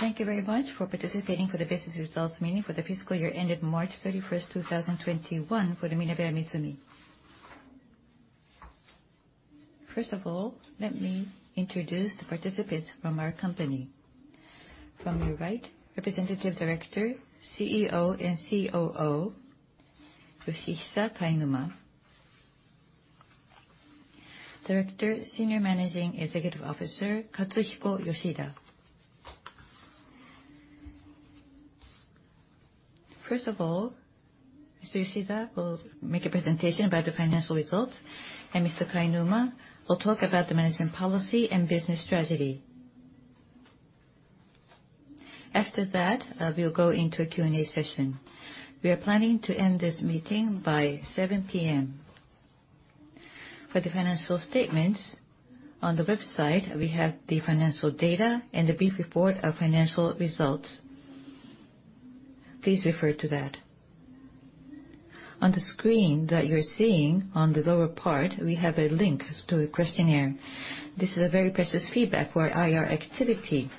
Thank you very much for participating for the business results meeting for the fiscal year ended March 31st, 2021 for MinebeaMitsumi. First of all, let me introduce the participants from our company. From your right, Representative Director, CEO and COO, Yoshihisa Kainuma. Director, Senior Managing Executive Officer, Katsuhiko Yoshida. First of all, Mr. Yoshida will make a presentation about the financial results, and Mr. Kainuma will talk about the management policy and business strategy. After that, we'll go into a Q&A session. We are planning to end this meeting by 7:00 P.M. For the financial statements on the website, we have the financial data and a brief report of financial results. Please refer to that. On the screen that you're seeing on the lower part, we have a link to a questionnaire. This is a very precious feedback for our IR activity.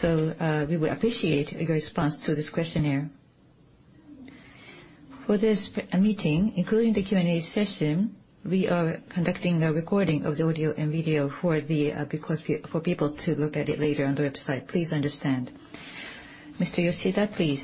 We would appreciate your response to this questionnaire. For this meeting, including the Q&A session, we are conducting the recording of the audio and video for people to look at it later on the website. Please understand. Mr. Yoshida, please.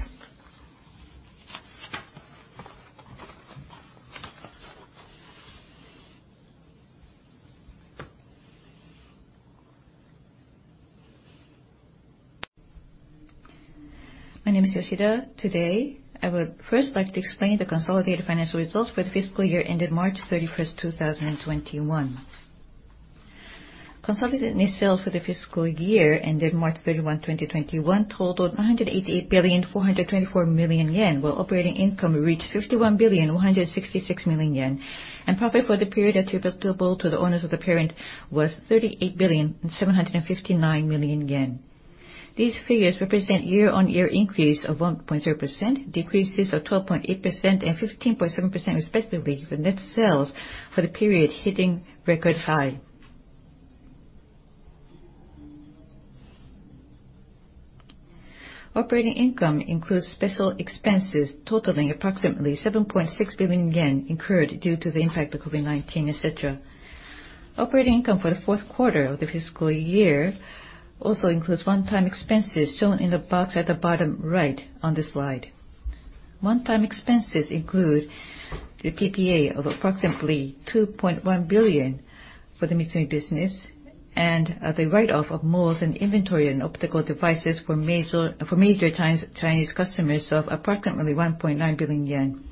My name is Yoshida. Today, I would first like to explain the consolidated financial results for the fiscal year ended March 31st, 2021. Consolidated net sales for the fiscal year ended March 31, 2021 totaled 188,424 million yen, while operating income reached 51,166 million yen. Profit for the period attributable to the owners of the parent was 38,759 million yen. These figures represent year-on-year increase of 1.0%, decreases of 12.8% and 15.7% respectively, with net sales for the period hitting record high. Operating income includes special expenses totaling approximately 7.6 billion yen incurred due to the impact of COVID-19, et cetera. Operating income for the fourth quarter of the fiscal year also includes one-time expenses shown in the box at the bottom right on this slide. One-time expenses include the PPA of approximately 2.1 billion for the Mitsumi Business, and the write-off of molds and inventory and optical devices for major Chinese customers of approximately 1.9 billion yen.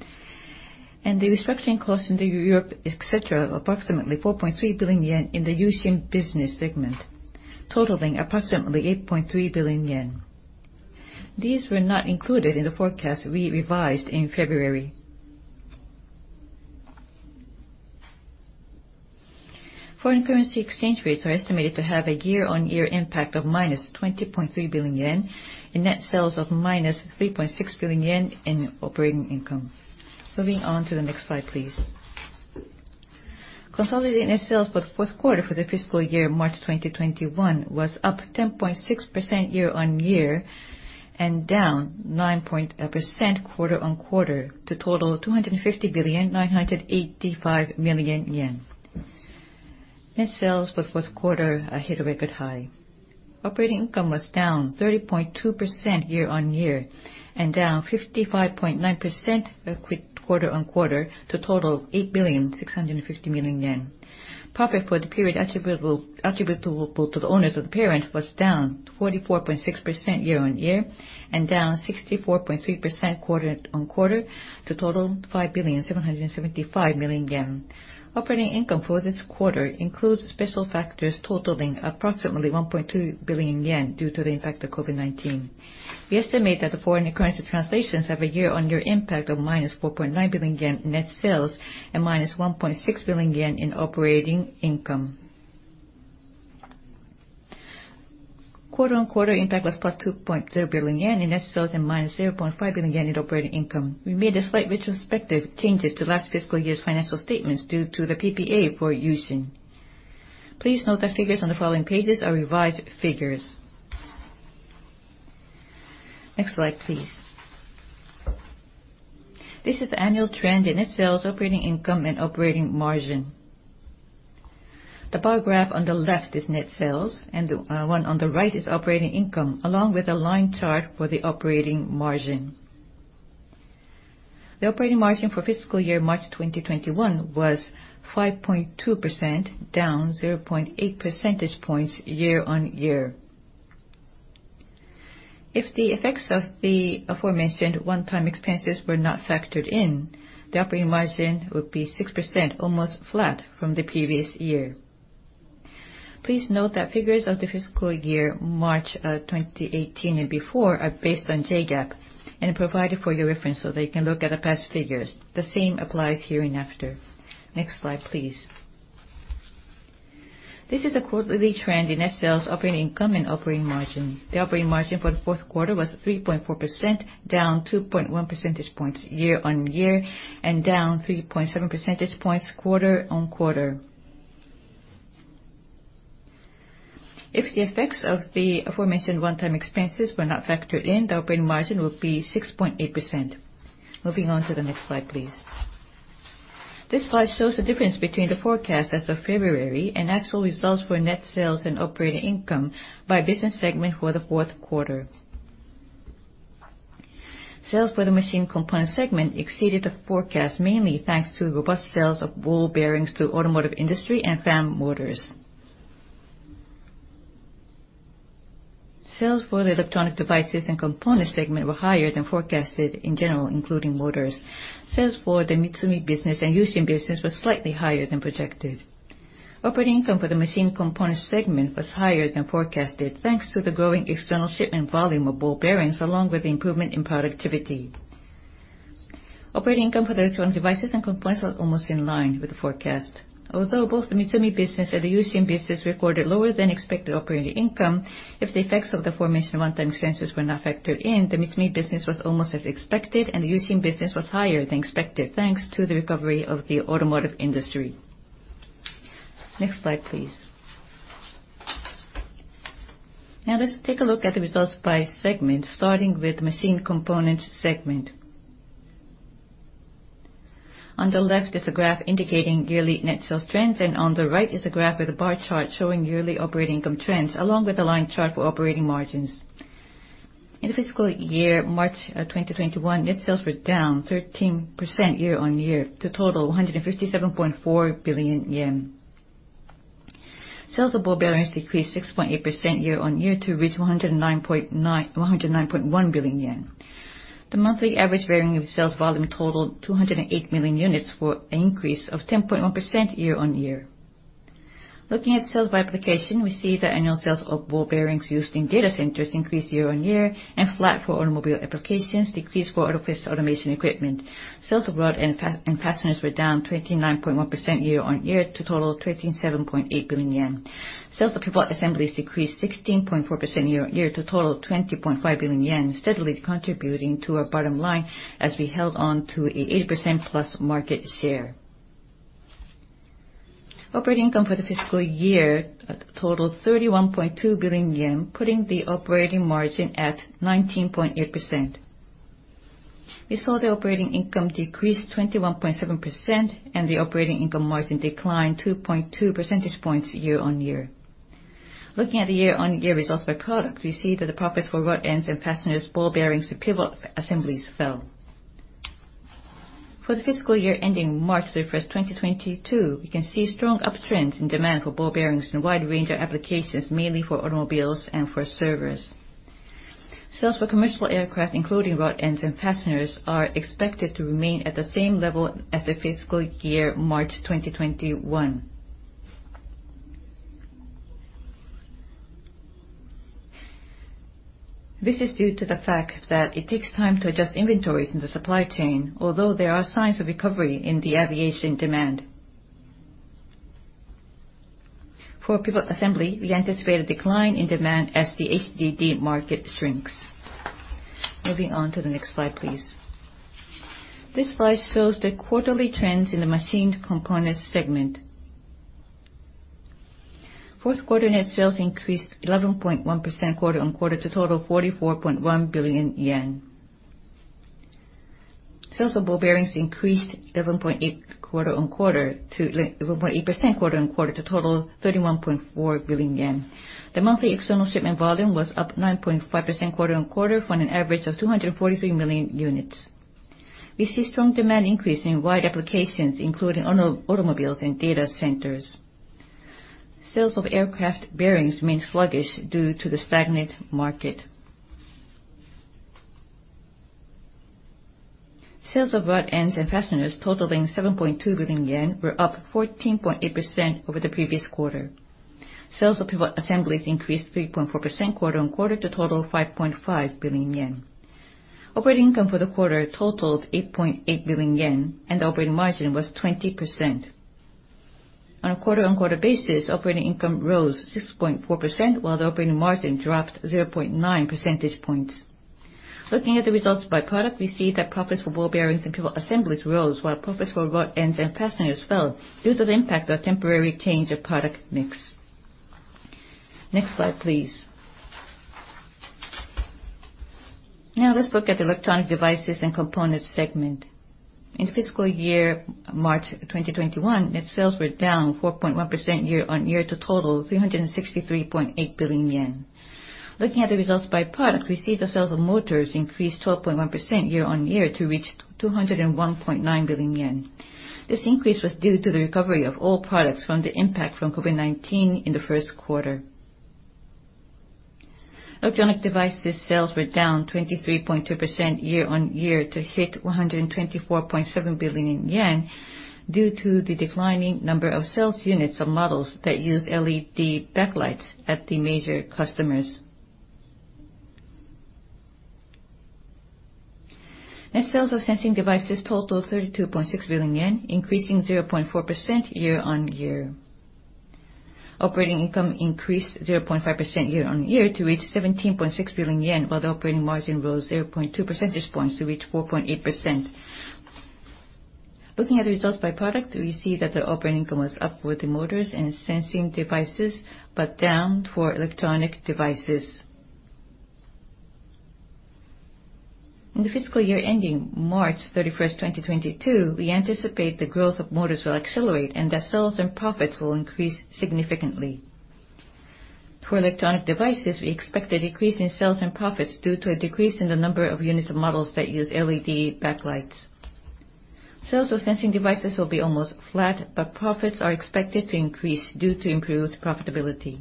The restructuring costs into Europe, et cetera, of approximately 4.3 billion yen in the U-Shin Business segment, totaling approximately 8.3 billion yen. These were not included in the forecast we revised in February. Foreign currency exchange rates are estimated to have a year-on-year impact of -20.3 billion yen, in net sales of -3.6 billion yen in operating income. Moving on to the next slide, please. Consolidated net sales for the fourth quarter for the fiscal year March 2021 was up 10.6% year-on-year and down 9.0% quarter-on-quarter to total JPY 250 billion, 985 million. Net sales for fourth quarter hit a record high. Operating income was down 30.2% year-on-year and down 55.9% quarter-on-quarter to total 8 billion yen, 650 million. Profit for the period attributable to the owners of the parent was down 44.6% year-on-year and down 64.3% quarter-on-quarter to total 5 billion, 775 million. Operating income for this quarter includes special factors totaling approximately 1.2 billion yen due to the impact of COVID-19. We estimate that the foreign currency translations have a year-on-year impact of -4.9 billion yen in net sales and -1.6 billion yen in operating income. Quarter-on-quarter impact was 2.0+ billion yen in net sales and -0.5 billion yen in operating income. We made a slight retrospective changes to last fiscal year's financial statements due to the PPA for U-Shin. Please note that figures on the following pages are revised figures. Next slide, please. This is the annual trend in net sales, operating income, and operating margin. The bar graph on the left is net sales, and the one on the right is operating income, along with a line chart for the operating margin. The operating margin for fiscal year March 2021 was 5.2%, down 0.8 percentage points year-on-year. If the effects of the aforementioned one-time expenses were not factored in, the operating margin would be 6%, almost flat from the previous year. Please note that figures of the fiscal year March 2018 and before are based on JGAAP and provided for your reference so that you can look at the past figures. The same applies hereinafter. Next slide, please. This is a quarterly trend in net sales, operating income, and operating margin. The operating margin for the fourth quarter was 3.4%, down 2.1 percentage points year-on-year and down 3.7 percentage points quarter-on-quarter. If the effects of the aforementioned one-time expenses were not factored in, the operating margin would be 6.8%. Moving on to the next slide, please. This slide shows the difference between the forecast as of February and actual results for net sales and operating income by business segment for the fourth quarter. Sales for the Machined Components segment exceeded the forecast, mainly thanks to robust sales of ball bearings to automotive industry and fan motors. Sales for the Electronic Devices and Components segment were higher than forecasted in general, including motors. Sales for the Mitsumi business and U-Shin business were slightly higher than projected. Operating income for the Machined Components Business segment was higher than forecasted, thanks to the growing external shipment volume of ball bearings, along with the improvement in productivity. Operating income for the Electronic Devices and Components Business was almost in line with the forecast. Both the Mitsumi Business and the U-Shin business recorded lower than expected operating income. If the effects of the aforementioned one-time expenses were not factored in, the Mitsumi Business was almost as expected, and the U-Shin business was higher than expected, thanks to the recovery of the automotive industry. Next slide, please. Now let's take a look at the results by segment, starting with the Machined Components Business segment. On the left is a graph indicating yearly net sales trends, and on the right is a graph with a bar chart showing yearly operating income trends, along with a line chart for operating margins. In the fiscal year March 2021, net sales were down 13% year-on-year to a total of 157.4 billion yen. Sales of ball bearings decreased 6.8% year-on-year to reach 109.1 billion yen. The monthly average bearing sales volume totaled 208 million units, for an increase of 10.1% year-on-year. Looking at sales by application, we see that annual sales of ball bearings used in data centers increased year-on-year and flat for automobile applications decreased for office automation equipment. Sales of rod ends and fasteners were down 29.1% year-on-year to a total of 27.8 billion yen. Sales of pivot assemblies decreased 16.4% year-on-year to a total of 20.5 billion yen, steadily contributing to our bottom line as we held on to an 80%+ market share. Operating income for the fiscal year totaled 31.2 billion yen, putting the operating margin at 19.8%. We saw the operating income decrease 21.7% and the operating income margin decline 2.2 percentage points year-on-year. Looking at the year-on-year results by product, we see that the profits for rod ends and fasteners, ball bearings, and pivot assemblies fell. For the fiscal year ending March 31st, 2022, we can see strong uptrends in demand for ball bearings in a wide range of applications, mainly for automobiles and for servers. Sales for commercial aircraft, including rod ends and fasteners, are expected to remain at the same level as the fiscal year March 2021. This is due to the fact that it takes time to adjust inventories in the supply chain, although there are signs of recovery in the aviation demand. For pivot assembly, we anticipate a decline in demand as the HDD market shrinks. Moving on to the next slide, please. This slide shows the quarterly trends in the Machined Components Business. Fourth quarter net sales increased 11.1% quarter-on-quarter to a total of JPY 44.1 billion. Sales of ball bearings increased 11.8% quarter-on-quarter to total of 31.4 billion yen. The monthly external shipment volume was up 9.5% quarter-on-quarter from an average of 243 million units. We see strong demand increase in wide applications, including automobiles and data centers. Sales of aircraft bearings remain sluggish due to the stagnant market. Sales of rod ends and fasteners totaling 7.2 billion yen were up 14.8% over the previous quarter. Sales of pivot assemblies increased 3.4% quarter-on-quarter to a total of 5.5 billion yen. Operating income for the quarter totaled 8.8 billion yen, the operating margin was 20%. On a quarter-on-quarter basis, operating income rose 6.4%, while the operating margin dropped 0.9 percentage points. Looking at the results by product, we see that profits for ball bearings and pivot assemblies rose while profits for rod ends and fasteners fell due to the impact of a temporary change of product mix. Next slide, please. Now let's look at the Electronic Devices and Components segment. In fiscal year March 2021, net sales were down 4.1% year-on-year to a total of ¥363.8 billion. Looking at the results by product, we see that sales of motors increased 12.1% year-on-year to reach ¥201.9 billion. This increase was due to the recovery of all products from the impact from COVID-19 in the first quarter. Electronic devices sales were down 23.2% year-on-year to hit 124.7 billion yen due to the declining number of sales units of models that use LED backlights at the major customers. Net sales of Sensing devices totaled 32.6 billion yen, increasing 0.4% year-on-year. Operating income increased 0.5% year-on-year to reach 17.6 billion yen, while the operating margin rose 0.2 percentage points to reach 4.8%. Looking at the results by product, we see that the operating income was up for the motors and Sensing devices, but down for electronic devices. In the fiscal year ending March 31st, 2022, we anticipate the growth of motors will accelerate and that sales and profits will increase significantly. For electronic devices, we expect a decrease in sales and profits due to a decrease in the number of units of models that use LED backlights. Sales of Sensing devices will be almost flat, but profits are expected to increase due to improved profitability.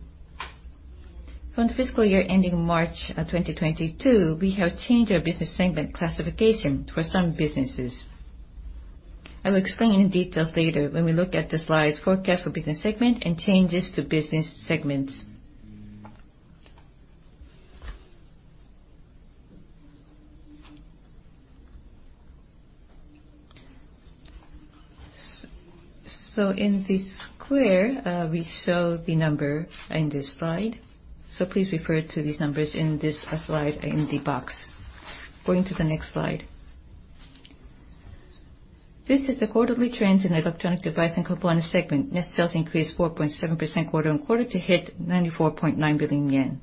From the fiscal year ending March 2022, we have changed our business segment classification for some businesses. I will explain in details later when we look at the slides forecast for business segment and changes to business segments. In this square, we show the number in this slide, so please refer to these numbers in this slide in the box. Going to the next slide. This is the quarterly trends in Electronic Devices and Components Business. Net sales increased 4.7% quarter-on-quarter to hit 94.9 billion yen.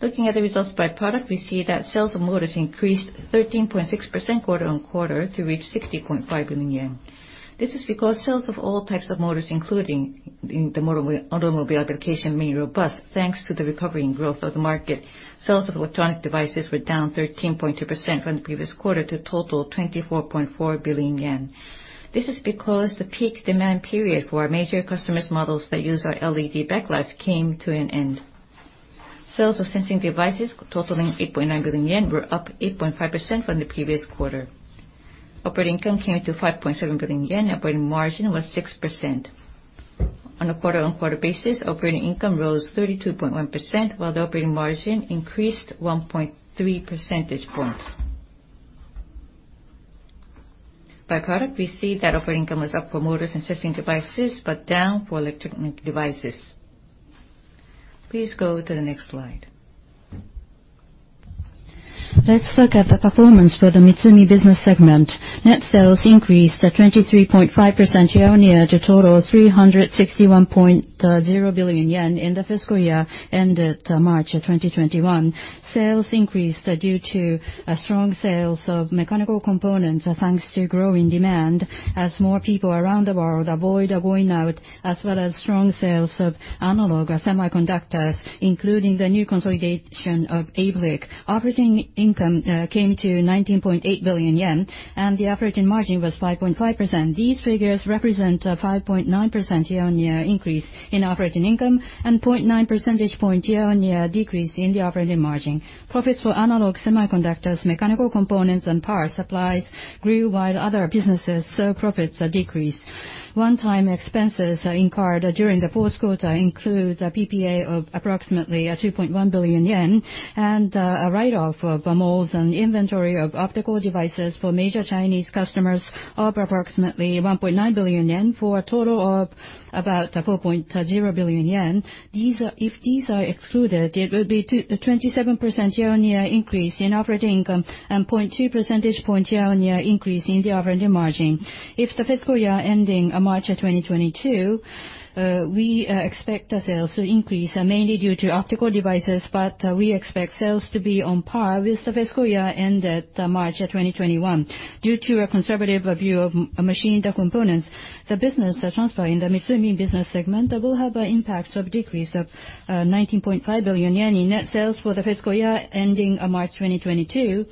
Looking at the results by product, we see that sales of motors increased 13.6% quarter-on-quarter to reach 60.5 billion yen. This is because sales of all types of motors, including the automotive application, remain robust thanks to the recovery and growth of the market. Sales of Electronic devices were down 13.2% from the previous quarter to a total of 24.4 billion yen. This is because the peak demand period for our major customers' models that use our LED backlights came to an end. Sales of sensing devices totaling 8.9 billion yen were up 8.5% from the previous quarter. Operating income came to 5.7 billion yen. Operating margin was 6%. On a quarter-on-quarter basis, operating income rose 32.1%, while the operating margin increased 1.3 percentage points. By product, we see that operating income was up for motors and sensing devices, but down for electronic devices. Please go to the next slide. Let's look at the performance for the Mitsumi business segment. Net sales increased 23.5% year-on-year to total 361.0 billion yen in the fiscal year ended March 2021. Sales increased due to strong sales of mechanical components, thanks to growing demand as more people around the world avoid going out, as well as strong sales of analog semiconductors, including the new consolidation of ABLIC. Operating income came to 19.8 billion yen, and the operating margin was 5.5%. These figures represent a 5.9% year-on-year increase in operating income and 0.9 percentage point year-on-year decrease in the operating margin. Profits for analog semiconductors, mechanical components, and power supplies grew, while other businesses saw profits decrease. One-time expenses incurred during the fourth quarter include a PPA of approximately 2.1 billion yen and a write-off of molds and inventory of optical devices for major Chinese customers of approximately 1.9 billion yen, for a total of about 4.0 billion yen. If these are excluded, it would be a 27% year-on-year increase in operating income and 0.2 percentage point year-on-year increase in the operating margin. If the fiscal year ending March 2022, we expect sales to increase, mainly due to optical devices, but we expect sales to be on par with the fiscal year ended March 2021. Due to a conservative review of Machined Components, the business transfer in the Mitsumi business segment will have an impact of decrease of 19.5 billion yen in net sales for the fiscal year ending March 2022.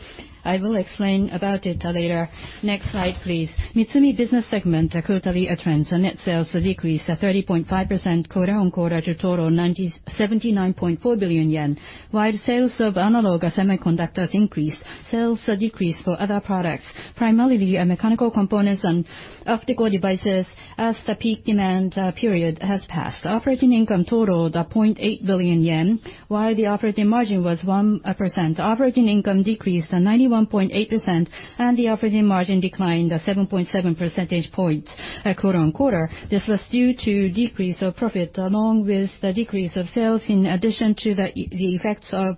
I will explain about it later. Next slide, please. Mitsumi business segment quarterly trends. Net sales decreased 30.5% quarter-on-quarter to total 79.4 billion yen, while sales of analog semiconductors increased. Sales decreased for other products, primarily mechanical components and optical devices, as the peak demand period has passed. Operating income totaled 0.8 billion yen, while the operating margin was 1%. Operating income decreased to 91.8%, and the operating margin declined 7.7 percentage points quarter-on-quarter. This was due to decrease of profit along with the decrease of sales, in addition to the effects of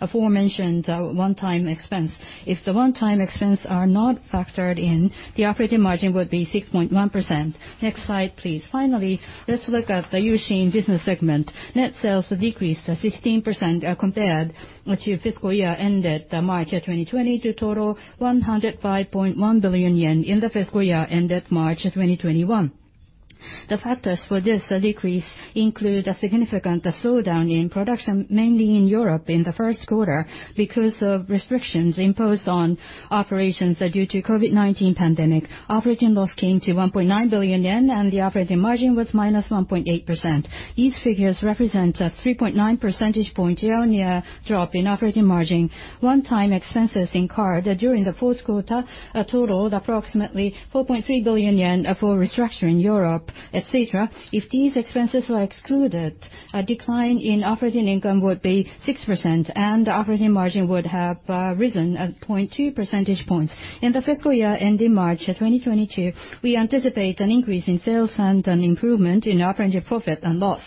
aforementioned one-time expense. If the one-time expense are not factored in, the operating margin would be 6.1%. Next slide, please. Finally, let's look at the U-Shin business segment. Net sales decreased 16% compared to fiscal year ended March 2020, to total 105.1 billion yen in the fiscal year ended March 2021. The factors for this decrease include a significant slowdown in production, mainly in Europe in the first quarter, because of restrictions imposed on operations due to COVID-19 pandemic. Operating loss came to 1.9 billion yen, and the operating margin was -1.8%. These figures represent a 3.9 percentage point year-on-year drop in operating margin. One-time expenses incurred during the fourth quarter totaled approximately 4.3 billion yen for restructuring Europe, et cetera. If these expenses were excluded, a decline in operating income would be 6%, and operating margin would have risen 0.2 percentage points. In the fiscal year ending March 2022, we anticipate an increase in sales and an improvement in operating profit and loss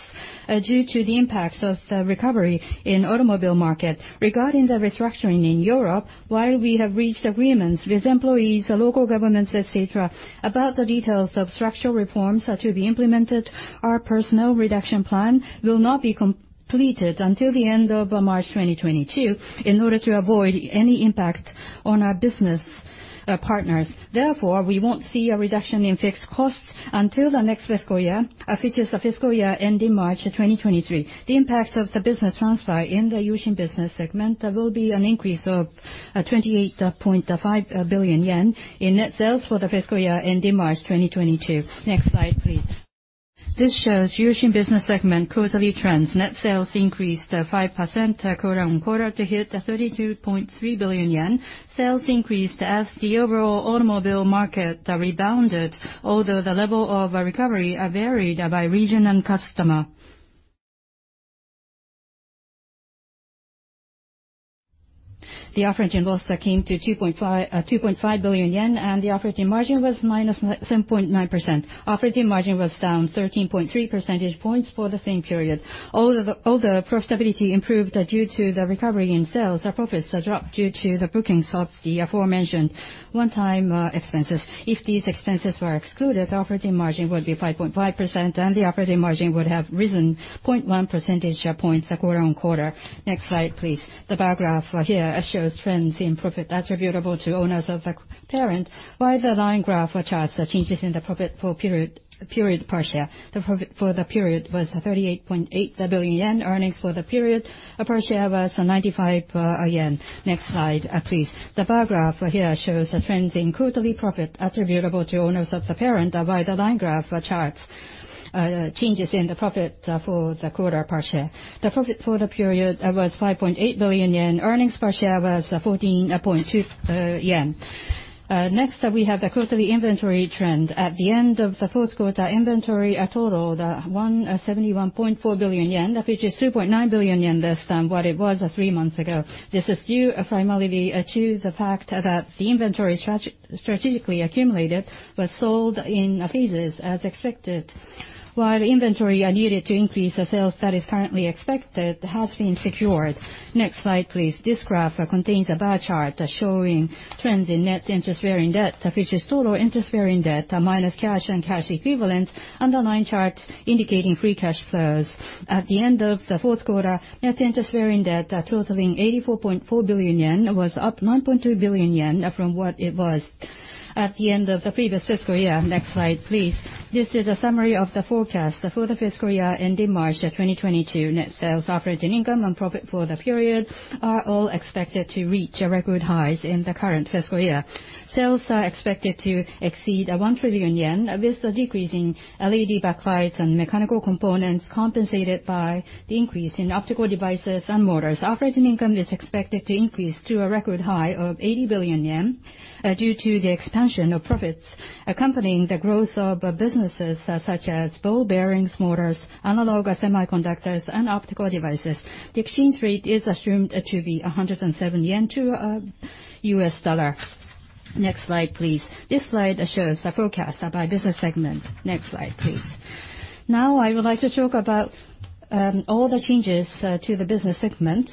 due to the impacts of the recovery in automobile market. Regarding the restructuring in Europe, while we have reached agreements with employees, the local governments, et cetera, about the details of structural reforms are to be implemented, our personnel reduction plan will not be completed until the end of March 2022 in order to avoid any impact on our business partners. Therefore, we won't see a reduction in fixed costs until the next fiscal year, which is the fiscal year ending March 2023. The impact of the business transfer in the U-Shin Business segment, there will be an increase of 28.5 billion yen in net sales for the fiscal year ending March 2022. Next slide, please. This shows U-Shin Business segment quarterly trends. Net sales increased 5% quarter-on-quarter to hit 32.3 billion yen. Sales increased as the overall automobile market rebounded, although the level of recovery varied by region and customer. The operating loss came to 2.5 billion yen, and the operating margin was -7.9%. Operating margin was down 13.3 percentage points for the same period. Although profitability improved due to the recovery in sales, our profits dropped due to the bookings of the aforementioned one-time expenses. If these expenses were excluded, operating margin would be 5.5%, and the operating margin would have risen 0.1 percentage points quarter-on-quarter. Next slide, please. The bar graph here shows trends in profit attributable to owners of the parent, while the line graph charts the changes in the profit for the period per share. The profit for the period was 38.8 billion yen. Earnings for the period per share was 95 yen. Next slide, please. The bar graph here shows the trends in quarterly profit attributable to owners of the parent, while the line graph charts changes in the profit for the quarter per share. The profit for the period was 5.8 billion yen. Earnings per share was 14.2 yen. Next, we have the quarterly inventory trend. At the end of the fourth quarter, inventory totaled 171.4 billion yen, which is 2.9 billion yen less than what it was three months ago. This is due primarily to the fact that the inventory strategically accumulated was sold in phases, as expected. While the inventory needed to increase the sales that is currently expected has been secured. Next slide, please. This graph contains a bar chart showing trends in net interest-bearing debt, which is total interest-bearing debt, minus cash and cash equivalents, and the line chart indicating free cash flows. At the end of the fourth quarter, net interest-bearing debt totaling 84.4 billion yen was up 9.2 billion yen from what it was at the end of the previous fiscal year. Next slide, please. This is a summary of the forecast for the fiscal year ending March 2022. Net sales, operating income, and profit for the period are all expected to reach record highs in the current fiscal year. Sales are expected to exceed 1 trillion yen, with the decrease in LED backlights and mechanical components compensated by the increase in optical devices and motors. Operating income is expected to increase to a record high of 80 billion yen, due to the expansion of profits accompanying the growth of businesses such as ball bearings, motors, analog semiconductors, and optical devices. The exchange rate is assumed to be 107 yen to a U.S. dollar. Next slide, please. This slide shows the forecast by business segment. Next slide, please. Now, I would like to talk about all the changes to the business segment.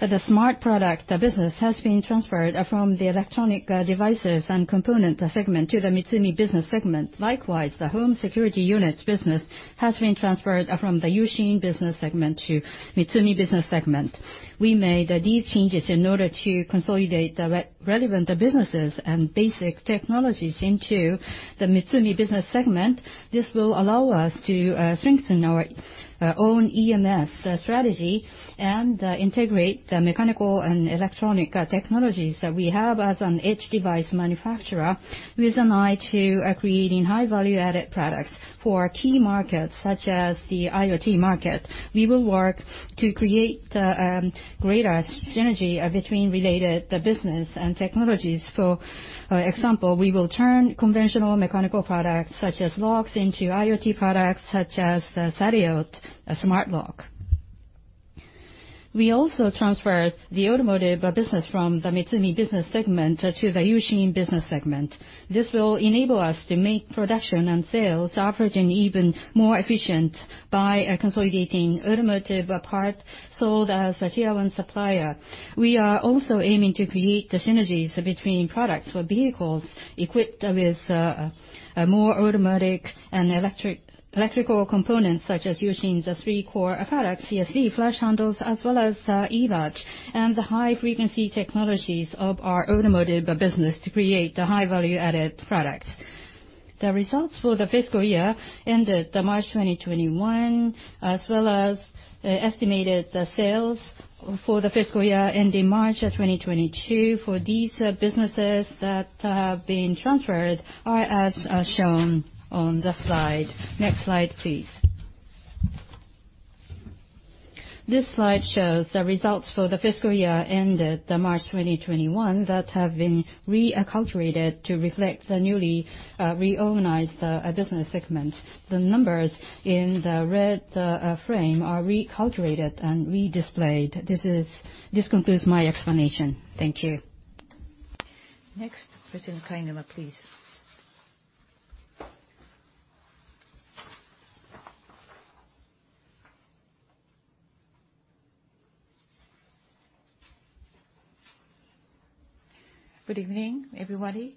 The smart product business has been transferred from the Electronic Devices and Components Business to the Mitsumi Business segment. Likewise, the home security units business has been transferred from the U-Shin business segment to Mitsumi Business segment. We made these changes in order to consolidate the relevant businesses and basic technologies into the Mitsumi Business segment. This will allow us to strengthen our own EMS strategy and integrate the mechanical and electronic technologies that we have as an edge device manufacturer, with an eye to creating high value-added products for key markets such as the IoT market. We will work to create greater synergy between related business and technologies. For example, we will turn conventional mechanical products, such as locks, into IoT products, such as the SADIOT a smart lock. We also transferred the automotive business from the Mitsumi Business segment to the U-Shin business segment. This will enable us to make production and sales operating even more efficient by consolidating automotive parts sold as a tier one supplier. We are also aiming to create the synergies between products for vehicles equipped with more automatic and electrical components, such as U-Shin's three core products, ESD, flush handles, as well as e-latch, and the high-frequency technologies of our automotive business to create high value-added products. The results for the fiscal year ended March 2021, as well as the estimated sales for the fiscal year ending March 2022 for these businesses that have been transferred are as shown on the slide. Next slide, please. This slide shows the results for the fiscal year ended March 2021 that have been recalibrated to reflect the newly reorganized business segments. The numbers in the red frame are recalculated and redisplayed. This concludes my explanation. Thank you. Next, President Kainuma, please. Good evening, everybody.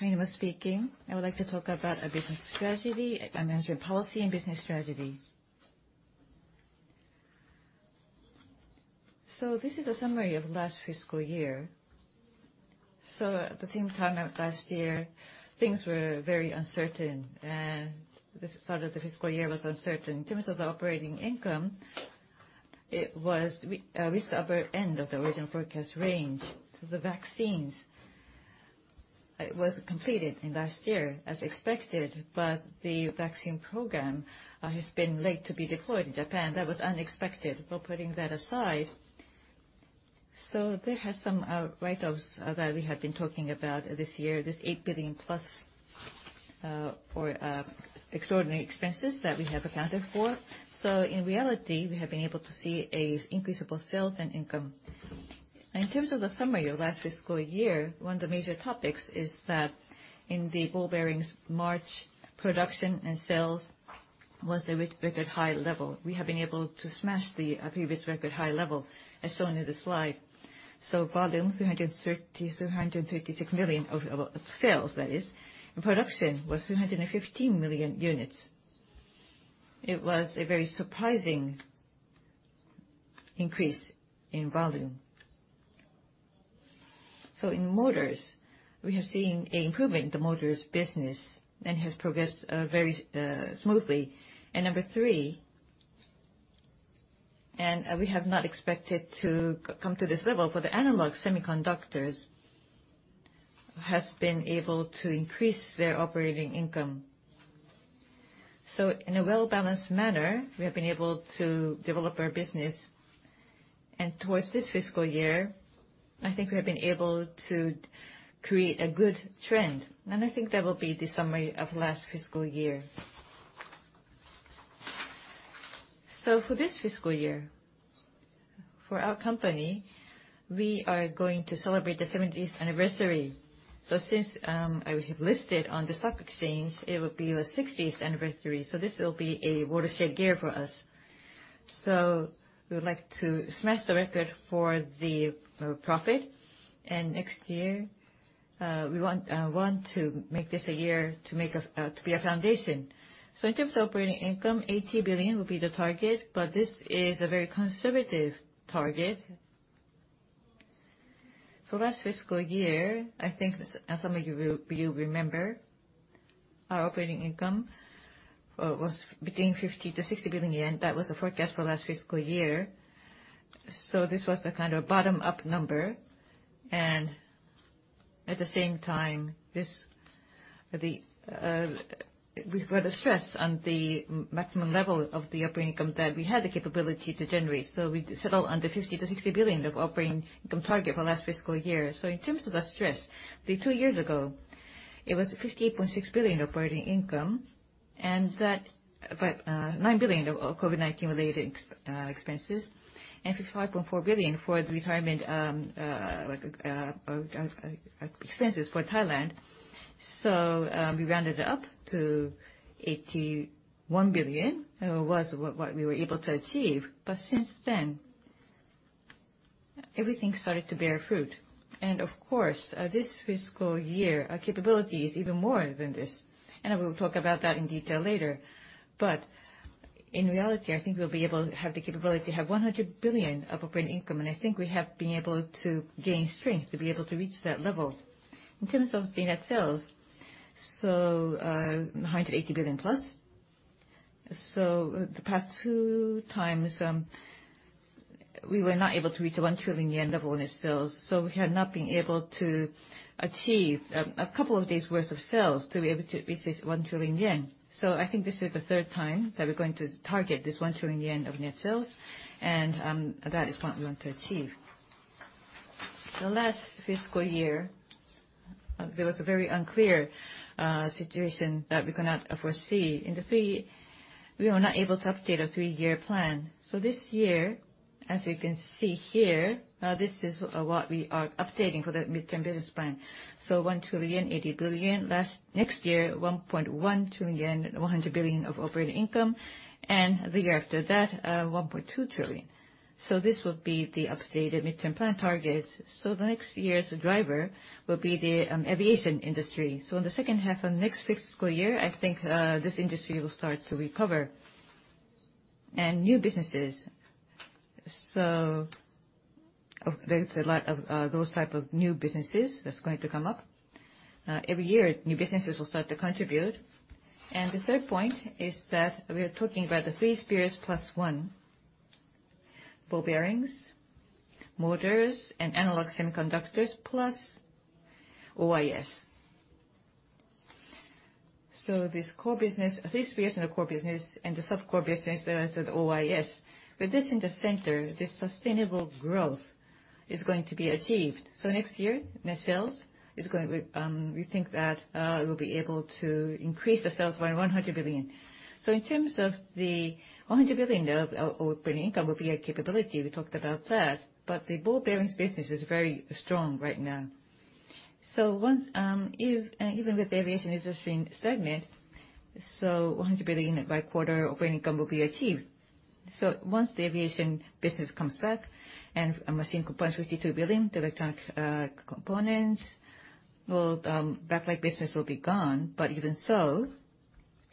Kainuma speaking. I would like to talk about business strategy, financial policy, and business strategy. This is a summary of last fiscal year. At the same time last year, things were very uncertain, and the start of the fiscal year was uncertain. In terms of the operating income, we saw the upper end of the original forecast range. The vaccines, it was completed in last year as expected, but the vaccine program has been late to be deployed in Japan. That was unexpected. Putting that aside, there has some write-offs that we have been talking about this year, this 8+ billion for extraordinary expenses that we have accounted for. In reality, we have been able to see an increase in both sales and income. In terms of the summary of last fiscal year, one of the major topics is that in the ball bearings, March production and sales was a record high level. We have been able to smash the previous record high level, as shown in the slide. Volume, 336 million of sales that is. Production was 315 million units. It was a very surprising increase in volume. In motors, we have seen an improvement. The motors business then has progressed very smoothly. And number three, and we have not expected to come to this level, for the analog semiconductors has been able to increase their operating income. In a well-balanced manner, we have been able to develop our business. Towards this fiscal year, I think we have been able to create a good trend. I think that will be the summary of last fiscal year. For this fiscal year, for our company, we are going to celebrate the 70th anniversary. Since we have listed on the stock exchange, it will be the 60th anniversary. This will be a watershed year for us. We would like to smash the record for the profit. Next year, we want to make this a year to be a foundation. In terms of operating income, JPY 80 billion will be the target, but this is a very conservative target. Last fiscal year, I think as some of you will remember, our operating income was between 50 billion to 60 billion yen. That was the forecast for last fiscal year. This was the kind of bottom-up number, and at the same time, we've got a stress on the maximum level of the operating income that we had the capability to generate. We settled on the 50 billion-60 billion of operating income target for last fiscal year. In terms of the stress, two years ago, it was 58.6 billion operating income, and that about 9 billion of COVID-19 related expenses, and 55.4 billion for the retirement expenses for Thailand. We rounded it up to 81 billion. It was what we were able to achieve. Since then, everything started to bear fruit. Of course, this fiscal year, our capability is even more than this. I will talk about that in detail later. In reality, I think we'll be able to have the capability to have 100 billion of operating income, and I think we have been able to gain strength to be able to reach that level. In terms of the net sales, 180+ billion The past two times, we were not able to reach the 1 trillion yen of net sales. We have not been able to achieve a couple of these worth of sales to be able to reach this 1 trillion yen. I think this is the third time that we're going to target this 1 trillion yen of net sales, and that is what we want to achieve. The last fiscal year, there was a very unclear situation that we could not foresee. We were not able to update a three-year plan. This year, as you can see here, this is what we are updating for the midterm business plan. 1 trillion, 80 billion. Next year, 1.1 trillion, 100 billion of operating income. The year after that, 1.2 trillion. This will be the updated midterm plan target. The next year's driver will be the aviation industry. In the second half of next fiscal year, I think this industry will start to recover. There is a lot of those type of new businesses that's going to come up. Every year, new businesses will start to contribute. The third point is that we are talking about the three spear plus one. Ball bearings, motors, and Analog semiconductors, plus OIS. This core business, three spears in the core business and the sub-core business that I said, OIS. With this in the center, this sustainable growth is going to be achieved. Next year, net sales, we think that we'll be able to increase the sales by 100 billion. In terms of the 100 billion of operating income will be a capability, we talked about that, but the ball bearings business is very strong right now. Even with the aviation industry in stagnant, so 100 billion by quarter operating income will be achieved. Once the aviation business comes back and machine components, 52 billion, electronic components, backlight business will be gone, but even so,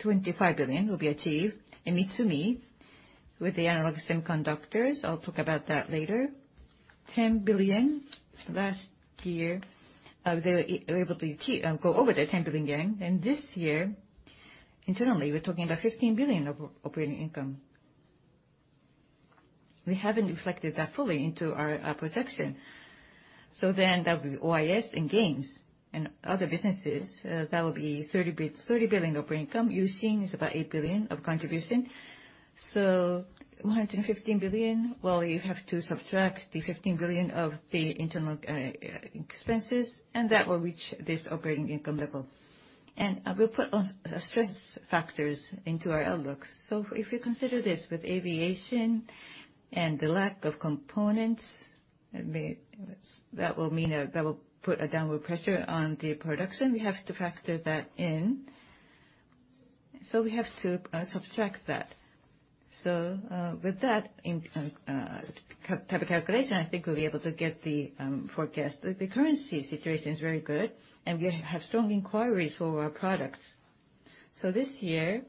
25 billion will be achieved. In Mitsumi, with the Analog semiconductors, I'll talk about that later. 10 billion. Last year, they were able to go over the 10 billion yen. This year, internally, we're talking about 15 billion of operating income. We haven't reflected that fully into our projection. There will be OIS and games and other businesses, that will be 30 billion operating income. U-Shin is about 8 billion of contribution. 115 billion. Well, you have to subtract the 15 billion of the internal expenses, and that will reach this operating income level. We put stress factors into our outlook. If you consider this with aviation and the lack of components, that will put a downward pressure on the production. We have to factor that in. We have to subtract that. With that type of calculation, I think we'll be able to get the forecast. The currency situation is very good, and we have strong inquiries for our products. This year,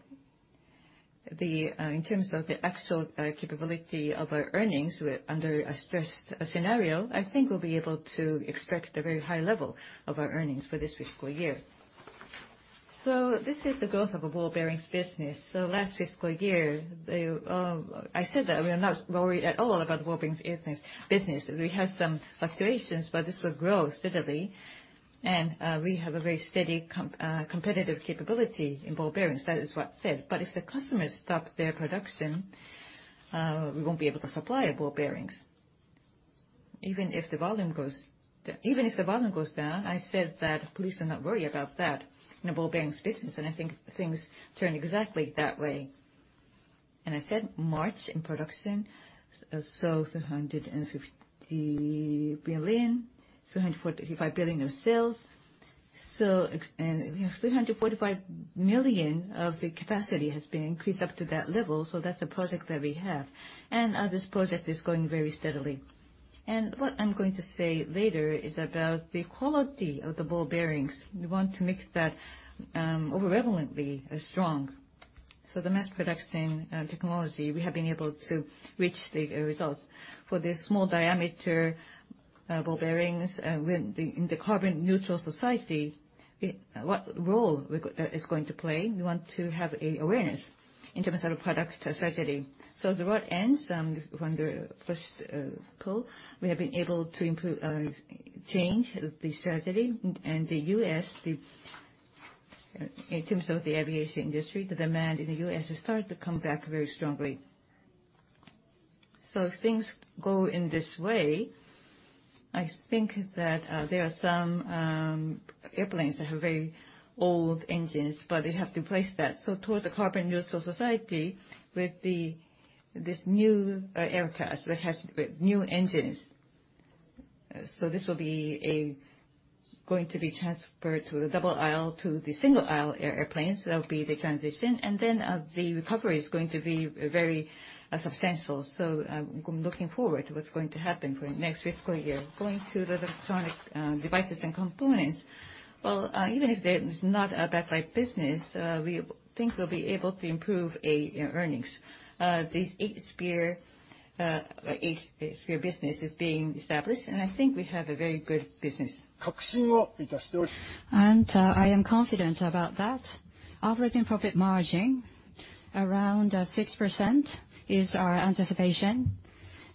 in terms of the actual capability of our earnings, under a stress scenario, I think we'll be able to expect a very high level of our earnings for this fiscal year. This is the growth of a ball bearings business. Last fiscal year, I said that we are not worried at all about the ball bearings business. We have some fluctuations, but this will grow steadily, and we have a very steady competitive capability in ball bearings. That is what I said. If the customers stop their production, we won't be able to supply ball bearings. Even if the volume goes down, I said that please do not worry about that in the ball bearings business, I think things turned exactly that way. I said March in production, so 350 billion, 345 billion of sales. 345 million of the capacity has been increased up to that level, that's the project that we have. This project is going very steadily. What I'm going to say later is about the quality of the ball bearings. We want to make that overwhelmingly strong. The mass production technology, we have been able to reach the results. For the small diameter ball bearings in the carbon neutral society, what role is it going to play? We want to have awareness in terms of the product strategy. Towards that end, from the first quarter, we have been able to change the strategy. The U.S., in terms of the aviation industry, the demand in the U.S. has started to come back very strongly. If things go in this way, I think that there are some airplanes that have very old engines, but they have to replace that. Towards the carbon neutral society, with this new aircraft that has new engines. This will be going to be transferred to the double aisle, to the single aisle airplanes. That will be the transition. The recovery is going to be very substantial. I'm looking forward to what's going to happen for next fiscal year. Going to the Electronic Devices and Components. Well, even if there's not a backlight business, we think we'll be able to improve earnings. These Eight Spears business is being established, and I think we have a very good business. I am confident about that. Operating profit margin, around 6% is our anticipation.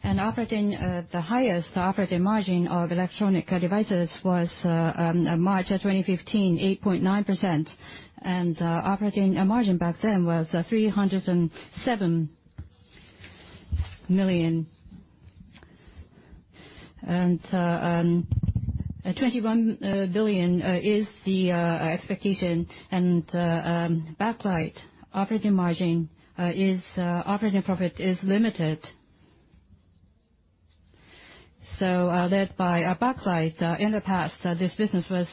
The highest operating margin of Electronic Devices was March of 2015, 8.9%. Operating margin back then was 307 million. 21 billion is the expectation. Backlight operating profit is limited. Led by backlight, in the past, this business was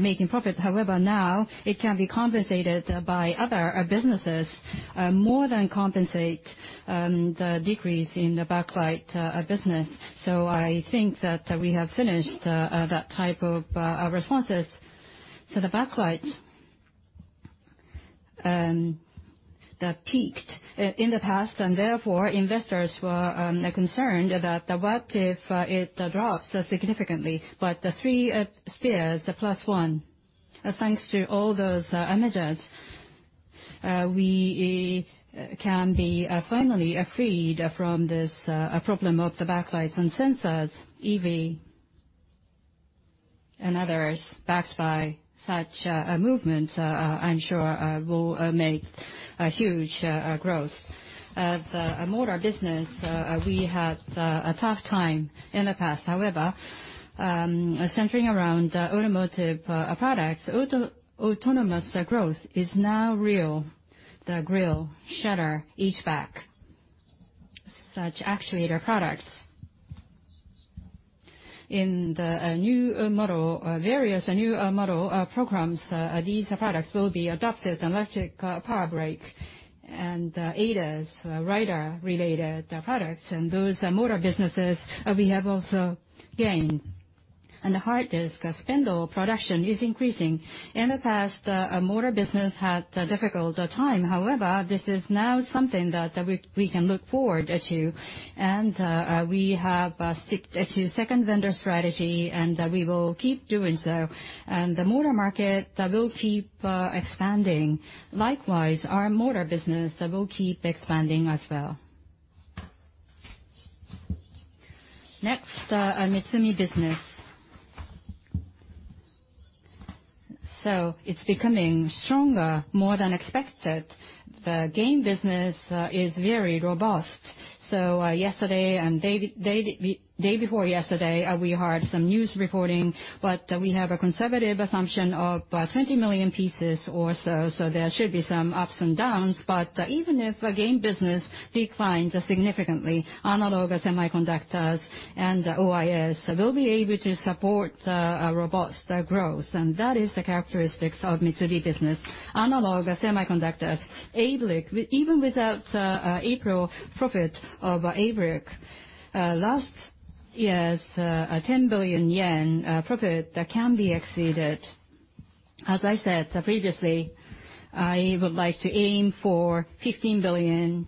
making profit. However, now it can be compensated by other businesses, more than compensate the decrease in the backlight business. I think that we have finished that type of responses to the backlight. That peaked in the past, and therefore, investors were concerned about what if it drops significantly. The three spears plus one. Thanks to all those measures, we can be finally freed from this problem of the backlights and sensors. EV and others, backed by such a movement, I am sure will make a huge growth. The motor business, we had a tough time in the past. However, centering around automotive products, autonomous growth is now real. The grille shutter, HVAC, such actuator products, in the various new model programs, these products will be adopted, electric power brake, ADAS, radar-related products, and those motor businesses we have also gained. The hard disk spindle production is increasing. In the past, the motor business had a difficult time. However, this is now something that we can look forward to. We have stick to second vendor strategy, and we will keep doing so. The motor market, that will keep expanding. Likewise, our motor business will keep expanding as well. Next, Mitsumi Business. It's becoming stronger, more than expected. The game business is very robust. Yesterday and the day before yesterday, we heard some news reporting, but we have a conservative assumption of 20 million pieces or so, there should be some ups and downs. Even if the game business declines significantly, analog semiconductors and OIS will be able to support a robust growth, and that is the characteristics of Mitsumi Business. Analog semiconductors. Even without April profit of ABLIC, last year's 10 billion yen profit can be exceeded. As I said previously, I would like to aim for 15 billion,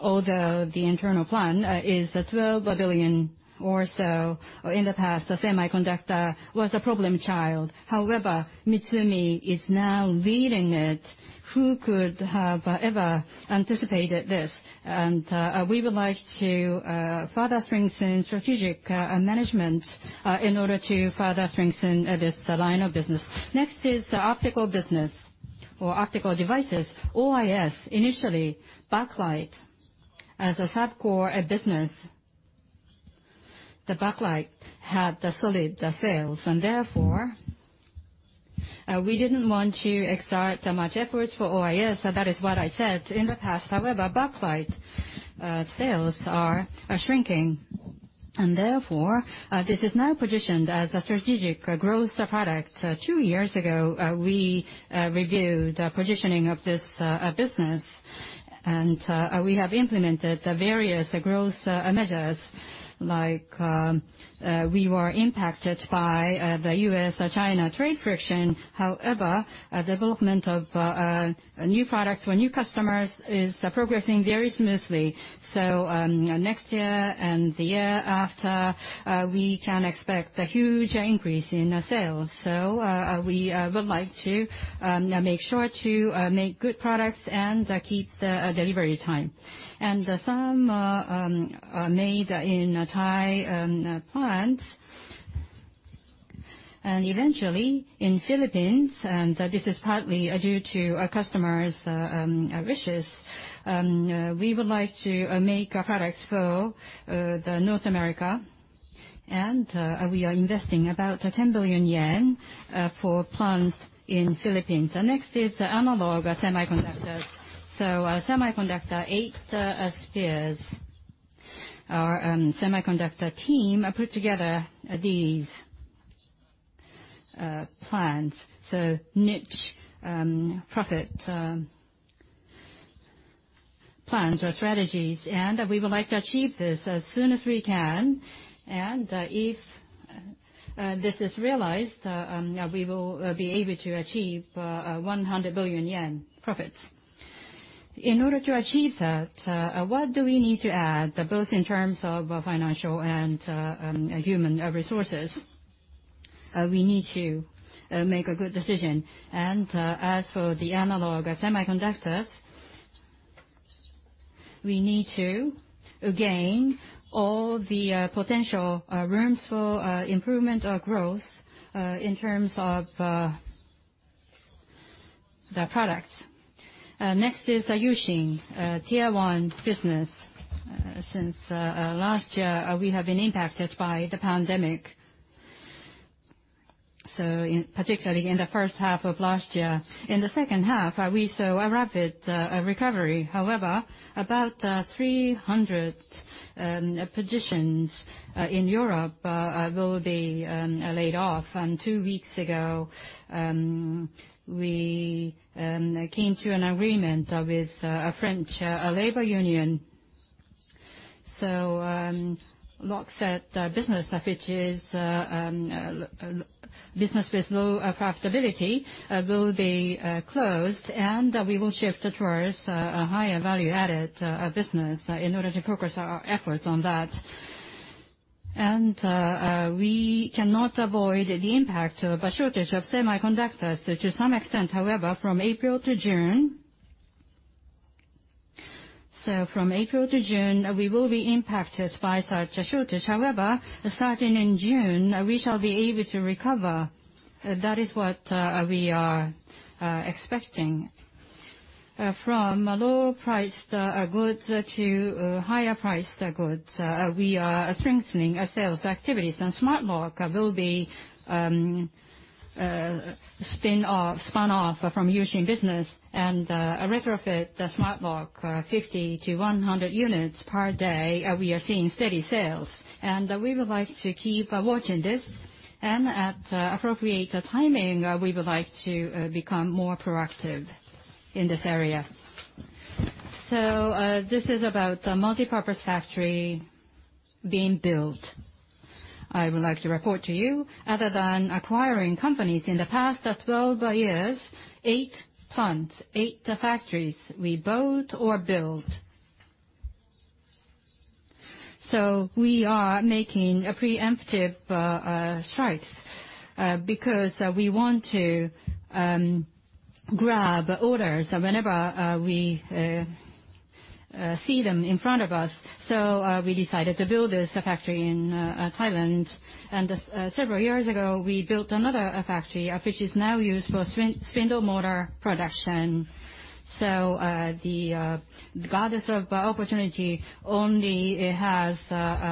although the internal plan is 12 billion or so. In the past, the semiconductor was a problem child. Mitsumi is now leading it. Who could have ever anticipated this? We would like to further strengthen strategic management in order to further strengthen this line of business. Next is the optical business or Optical devices. OIS, initially backlight, as a sub-core business. The backlight had solid sales, and therefore, we didn't want to exert much efforts for OIS, so that is what I said in the past. However, backlight sales are shrinking, and therefore, this is now positioned as a strategic growth product. Two years ago, we reviewed the positioning of this business, and we have implemented various growth measures, like we were impacted by the U.S.-China trade friction, however, development of new products for new customers is progressing very smoothly. Next year and the year after, we can expect a huge increase in sales. We would like to make sure to make good products and keep the delivery time. Some are made in Thai plant, and eventually in Philippines, and this is partly due to our customers' wishes. We would like to make products for North America, and we are investing about 10 billion yen for plants in Philippines. Next is the Analog semiconductors. Semiconductor, Eight Spears. Our semiconductor team put together these plans, so niche profit plans or strategies, and we would like to achieve this as soon as we can. If this is realized, we will be able to achieve 100 billion yen profits. In order to achieve that, what do we need to add, both in terms of financial and human resources? We need to make a good decision. As for the Analog semiconductors, we need to gain all the potential rooms for improvement or growth in terms of the products. Next is the U-Shin Tier 1 business. Since last year, we have been impacted by the pandemic, particularly in the first half of last year. In the second half, we saw a rapid recovery. About 300 positions in Europe will be laid off. Two weeks ago, we came to an agreement with a French labor union. Lock set business, which is business with low profitability, will be closed, and we will shift towards a higher value-added business in order to focus our efforts on that. We cannot avoid the impact by shortage of semiconductors to some extent. From April to June, we will be impacted by such a shortage. Starting in June, we shall be able to recover. That is what we are expecting. From lower priced goods to higher priced goods, we are strengthening our sales activities. Smart lock will be spun off from U-Shin business and retrofit the smart lock 50 to 100 units per day. We are seeing steady sales. We would like to keep watching this, and at appropriate timing, we would like to become more proactive in this area. This is about multipurpose factory being built. I would like to report to you, other than acquiring companies in the past 12 years, eight plants, eight factories we bought or built. We are making a preemptive strikes, because we want to grab orders whenever we see them in front of us. We decided to build this factory in Thailand. Several years ago, we built another factory, which is now used for Spindle motor production. The goddess of opportunity only has hair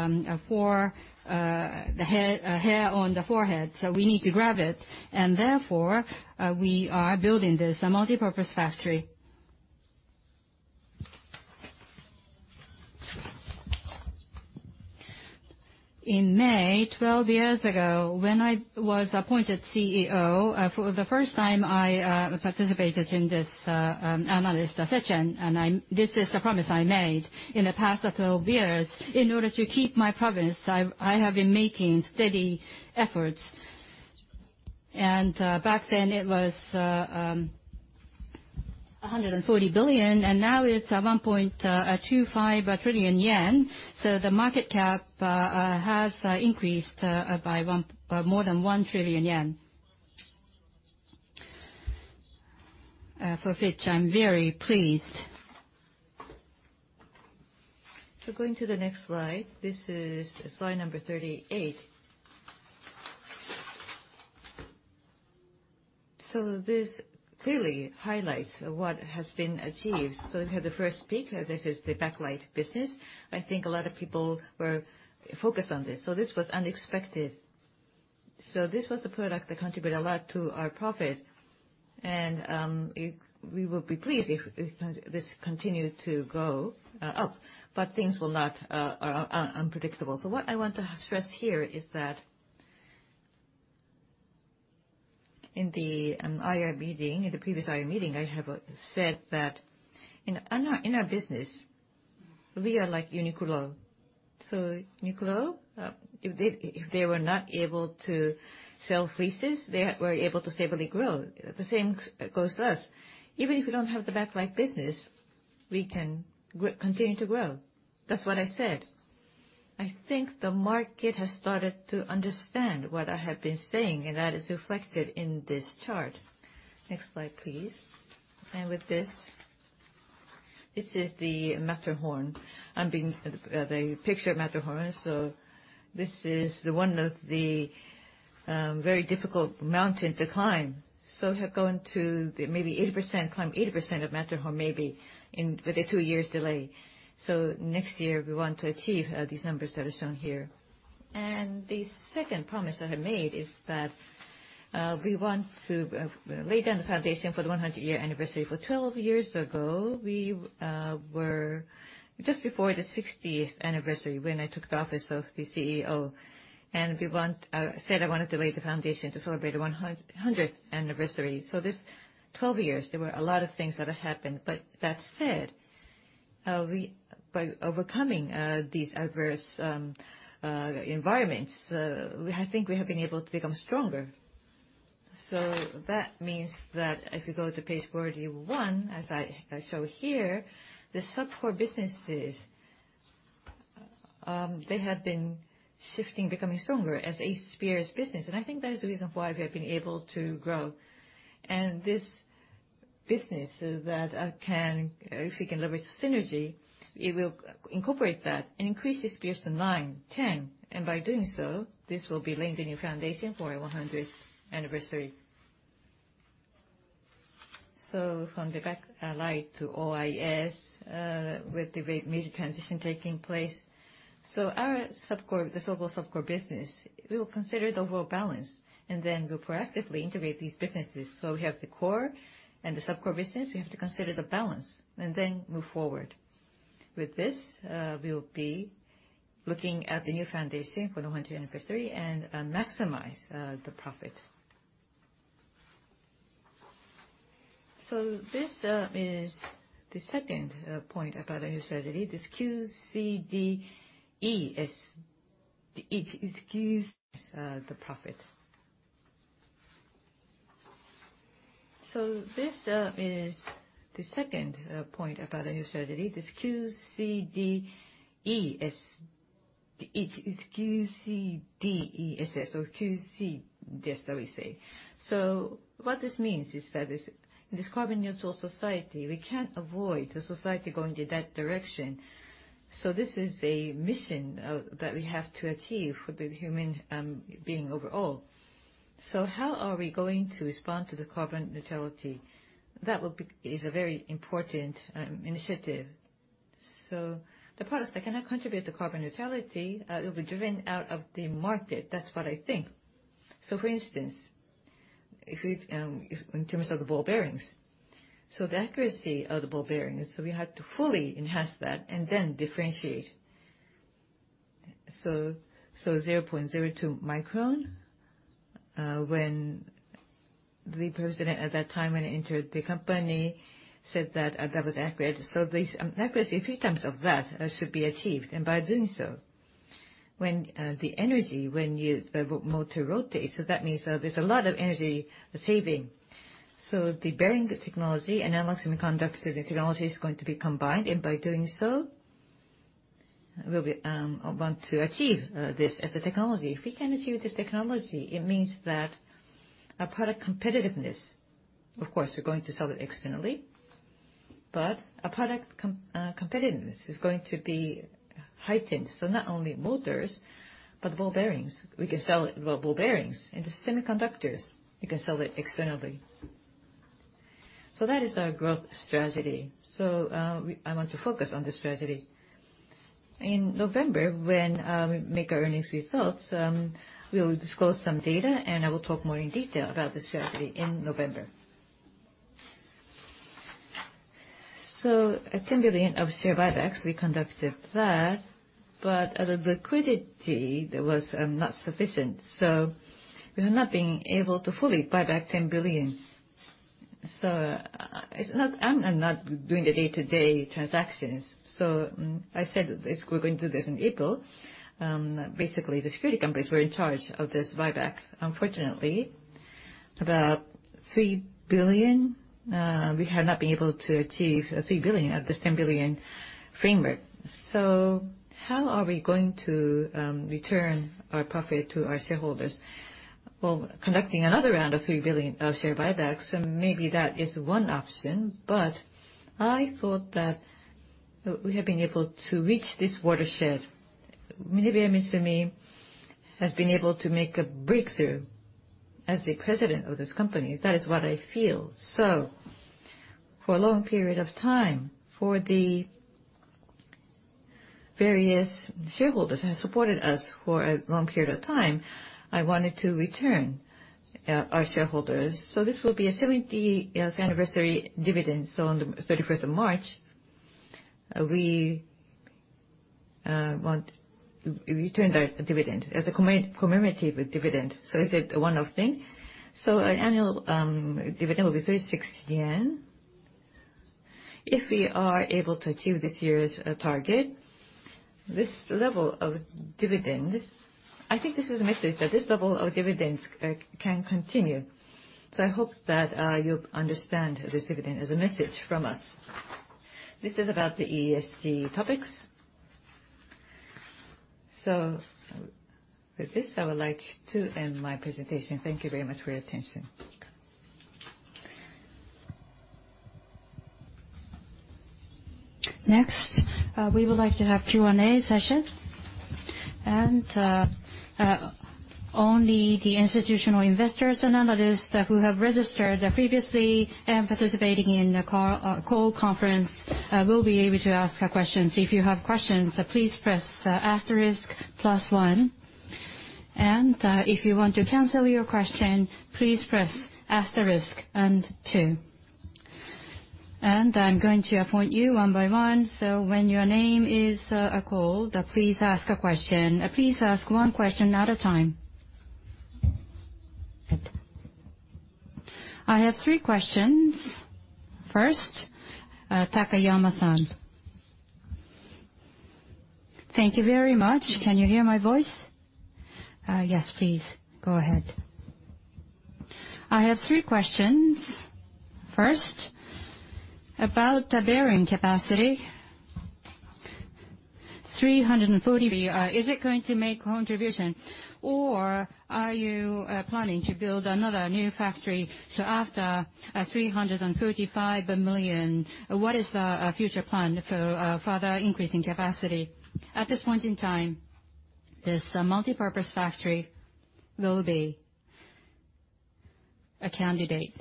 on the forehead, so we need to grab it, and therefore, we are building this multipurpose factory. In May, 12 years ago, when I was appointed CEO, for the first time, I participated in this analyst session. This is a promise I made. In the past 12 years, in order to keep my promise, I have been making steady efforts. Back then it was 140 billion, and now it's at 1.25 trillion yen. The market cap has increased by more than 1 trillion yen. For which I'm very pleased. Going to the next slide. This is slide number 38. This clearly highlights what has been achieved. We have the first peak. This is the backlight business. I think a lot of people were focused on this, so this was unexpected. This was a product that contributed a lot to our profit, and we will be pleased if this continue to go up, but things are unpredictable. What I want to stress here is that, in the previous IR meeting, I have said that in our business, we are like Uniqlo. Uniqlo, if they were not able to sell fleeces, they were able to stably grow. The same goes to us. Even if we don't have the backlight business, we can continue to grow. That's what I said. I think the market has started to understand what I have been saying, and that is reflected in this chart. Next slide, please. With this is the Matterhorn, the picture of Matterhorn. This is one of the very difficult mountain to climb. Have gone to maybe 80%, climb 80% of Matterhorn, maybe, with a two years delay. Next year, we want to achieve these numbers that are shown here. The second promise that I made is that we want to lay down the foundation for the 100-year anniversary. 12 years ago, we were just before the 60th anniversary when I took the office of the CEO, I said I wanted to lay the foundation to celebrate 100th anniversary. This 12 years, there were a lot of things that happened. That said, by overcoming these adverse environments, I think we have been able to become stronger. That means that if you go to page 41, as I show here, the sub-core businesses, they have been shifting, becoming stronger as a spears business. I think that is the reason why we have been able to grow. This business that if we can leverage the synergy, it will incorporate that and increase the spears to nine, 10. By doing so, this will be laying the new foundation for our 100th anniversary. From the backlight to OIS, with the major transition taking place. Our sub-core, the so-called sub-core business, we will consider the overall balance, and then we'll proactively integrate these businesses. We have the core and the sub-core business. We have to consider the balance and then move forward. With this, we'll be looking at the new foundation for the 100 anniversary and maximize the profit. This is the second point about our new strategy, this QCDESS. QCDESS, just that we say. What this means is that in this carbon neutral society, we can't avoid the society going to that direction. This is a mission that we have to achieve for the human being overall. How are we going to respond to the carbon neutrality? That is a very important initiative. The products that cannot contribute to carbon neutrality, it will be driven out of the market. That's what I think. For instance, in terms of the ball bearings. The accuracy of the ball bearings, so we have to fully enhance that and then differentiate. 0.02 micron, when the President at that time, when he entered the company, said that that was accurate. This accuracy, three times of that, should be achieved. By doing so, when the energy, when the motor rotates, that means there's a lot of energy saving. The bearing technology and our semiconductor technology is going to be combined, and by doing so, we want to achieve this as a technology. If we can achieve this technology, it means that our product competitiveness, of course, we're going to sell it externally, but our product competitiveness is going to be heightened. Not only motors, but ball bearings. We can sell ball bearings into semiconductors. We can sell that externally. That is our growth strategy. I want to focus on the strategy. In November, when we make our earnings results, we'll disclose some data, and I will talk more in detail about the strategy in November. At 10 billion of share buybacks, we conducted that, but our liquidity that was not sufficient. We are not being able to fully buy back 10 billion. I am not doing the day-to-day transactions. I said that we are going to do this in April. Basically, the security companies were in charge of this buyback. Unfortunately, about 3 billion, we have not been able to achieve 3 billion of this 10 billion framework. How are we going to return our profit to our shareholders? Well, conducting another round of 3 billion of share buybacks, maybe that is one option, but I thought that we have been able to reach this watershed. MinebeaMitsumi has been able to make a breakthrough as the president of this company. That is what I feel. For a long period of time, for the various shareholders who have supported us for a long period of time, I wanted to return our shareholders. This will be a 70th anniversary dividend. On the 31st of March, we want to return the dividend as a commemorative dividend. Is it a one-off thing? Our annual dividend will be 36 yen. If we are able to achieve this year's target, this level of dividends, I think this is a message that this level of dividends can continue. I hope that you understand this dividend as a message from us. This is about the ESG topics. With this, I would like to end my presentation. Thank you very much for your attention. Next, we would like to have Q&A session. Only the institutional investors and analysts who have registered previously and participating in the call conference will be able to ask a question. If you have questions, please press asterisk plus one. If you want to cancel your question, please press asterisk and two. I'm going to appoint you one by one. When your name is called, please ask a question. Please ask one question at a time. I have three questions. First, Takayama-san. Thank you very much. Can you hear my voice? Yes, please. Go ahead. I have three questions. First, about the bearing capacity, 340, is it going to make contribution or are you planning to build another new factory? After 335 million, what is the future plan for further increasing capacity? At this point in time, this multipurpose factory will be a candidate.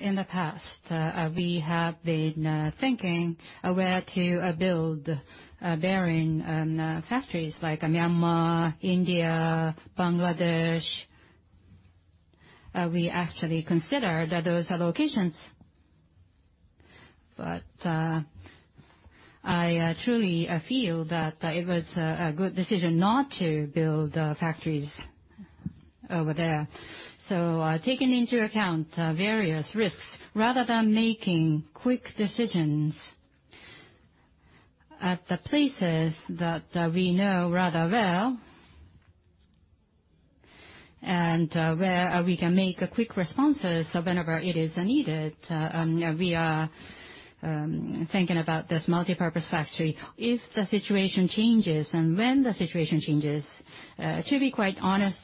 In the past, we have been thinking where to build bearing factories like Myanmar, India, Bangladesh. We actually considered those locations. I truly feel that it was a good decision not to build factories over there. Taking into account various risks, rather than making quick decisions at the places that we know rather well, and where we can make quick responses whenever it is needed, we are thinking about this multipurpose factory. If the situation changes and when the situation changes, to be quite honest,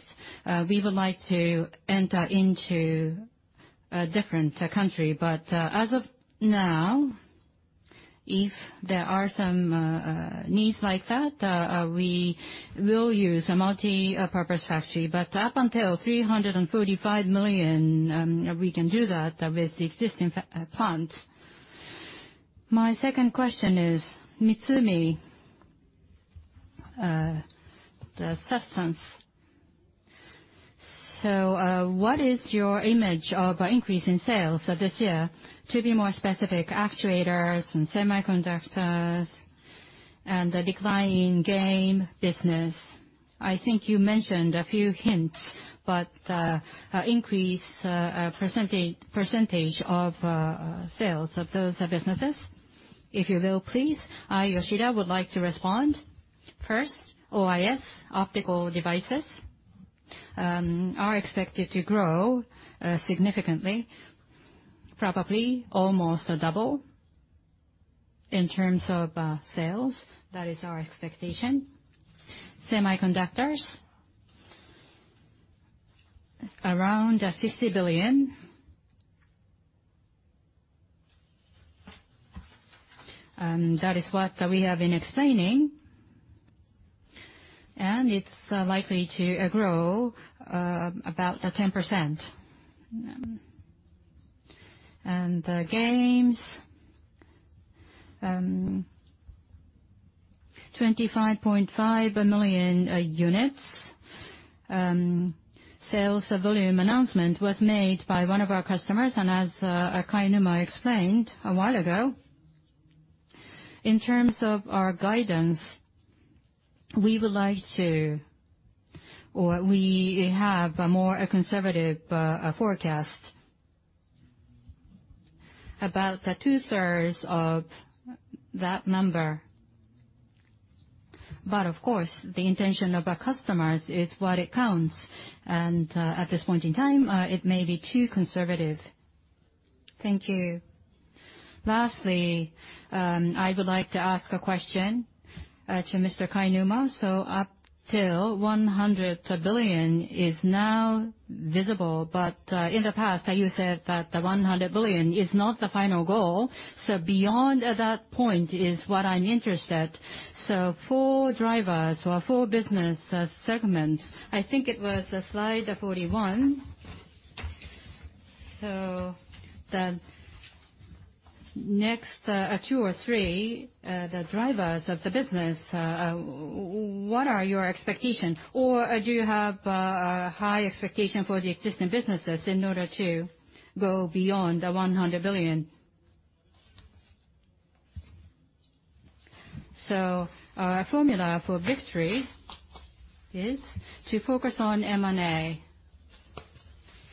we would like to enter into a different country. As of now, if there are some needs like that, we will use a multipurpose factory. Up until 345 million, we can do that with the existing plant. My second question is Mitsumi, the substance. What is your image of increase in sales this year? To be more specific, actuators and semiconductors, and the decline in game business. I think you mentioned a few hints, increase percentage of sales of those businesses. If you will, please, Yoshida would like to respond. First, OIS, optical devices, are expected to grow significantly, probably almost double in terms of sales. That is our expectation. Semiconductors, around JPY 60 billion. That is what we have been explaining, it's likely to grow about 10%. The games, 25.5 million units sales volume announcement was made by one of our customers. As Kainuma explained a while ago, in terms of our guidance, we have a more conservative forecast, about two-thirds of that number. Of course, the intention of our customers is what counts, and at this point in time, it may be too conservative. Thank you. Lastly, I would like to ask a question to Mr. Kainuma. Up till 100 billion is now visible, but in the past you said that the 100 billion is not the final goal. Beyond that point is what I'm interested. Four drivers or four business segments, I think it was slide 41. The next two or three, the drivers of the business, what are your expectations? Do you have a high expectation for the existing businesses in order to go beyond the 100 billion? Our formula for victory is to focus on M&A,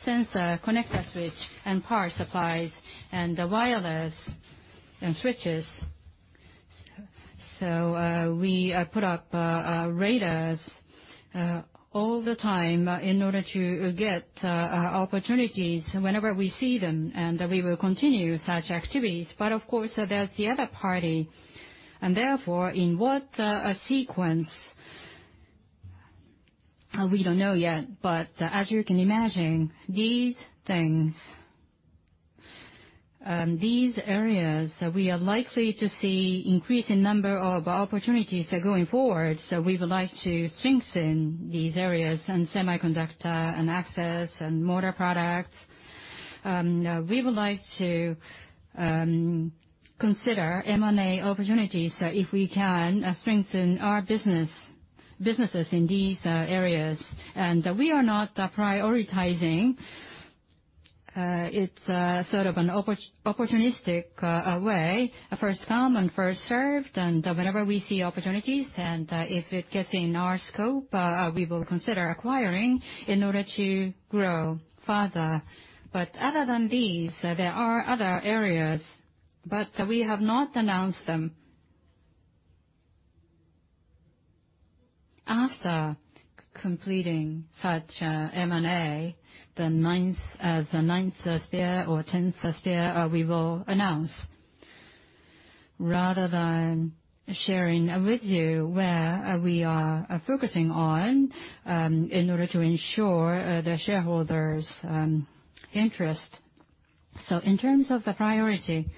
sensor, connector switch, and power supplies, and wireless and switches. We put up radars all the time in order to get opportunities whenever we see them, and we will continue such activities. Of course, there's the other party, and therefore, in what sequence, we don't know yet. As you can imagine, these things, these areas, we are likely to see increase in number of opportunities going forward. We would like to strengthen these areas in semiconductor, and access, and motor products. We would like to consider M&A opportunities, if we can strengthen our businesses in these areas. We are not prioritizing. It's sort of an opportunistic way, first come and first served. Whenever we see opportunities, and if it gets in our scope, we will consider acquiring in order to grow further. Other than these, there are other areas, but we have not announced them. After completing such M&A, the ninth spear or 10th spear, we will announce rather than sharing with you where we are focusing on in order to ensure the shareholders' interest. In terms of the priority,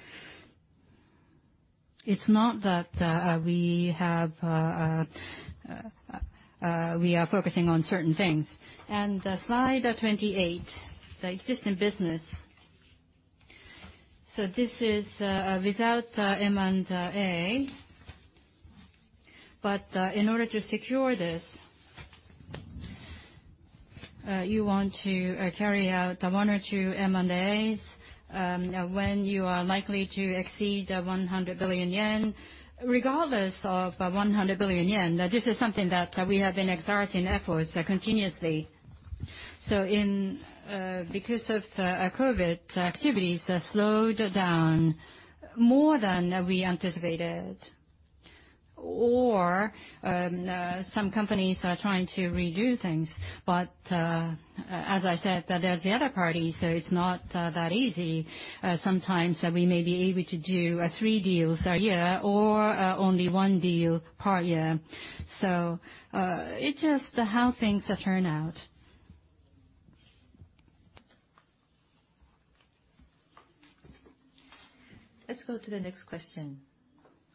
it's not that we are focusing on certain things. Slide 28, the existing business. This is without M&A. In order to secure this, you want to carry out one or two M&As when you are likely to exceed 100 billion yen. Regardless of 100 billion yen, this is something that we have been exerting efforts continuously. Because of COVID, activities slowed down more than we anticipated, or some companies are trying to redo things. As I said, there's the other party, so it's not that easy. Sometimes we may be able to do three deals a year or only one deal per year. It's just how things turn out. Let's go to the next question.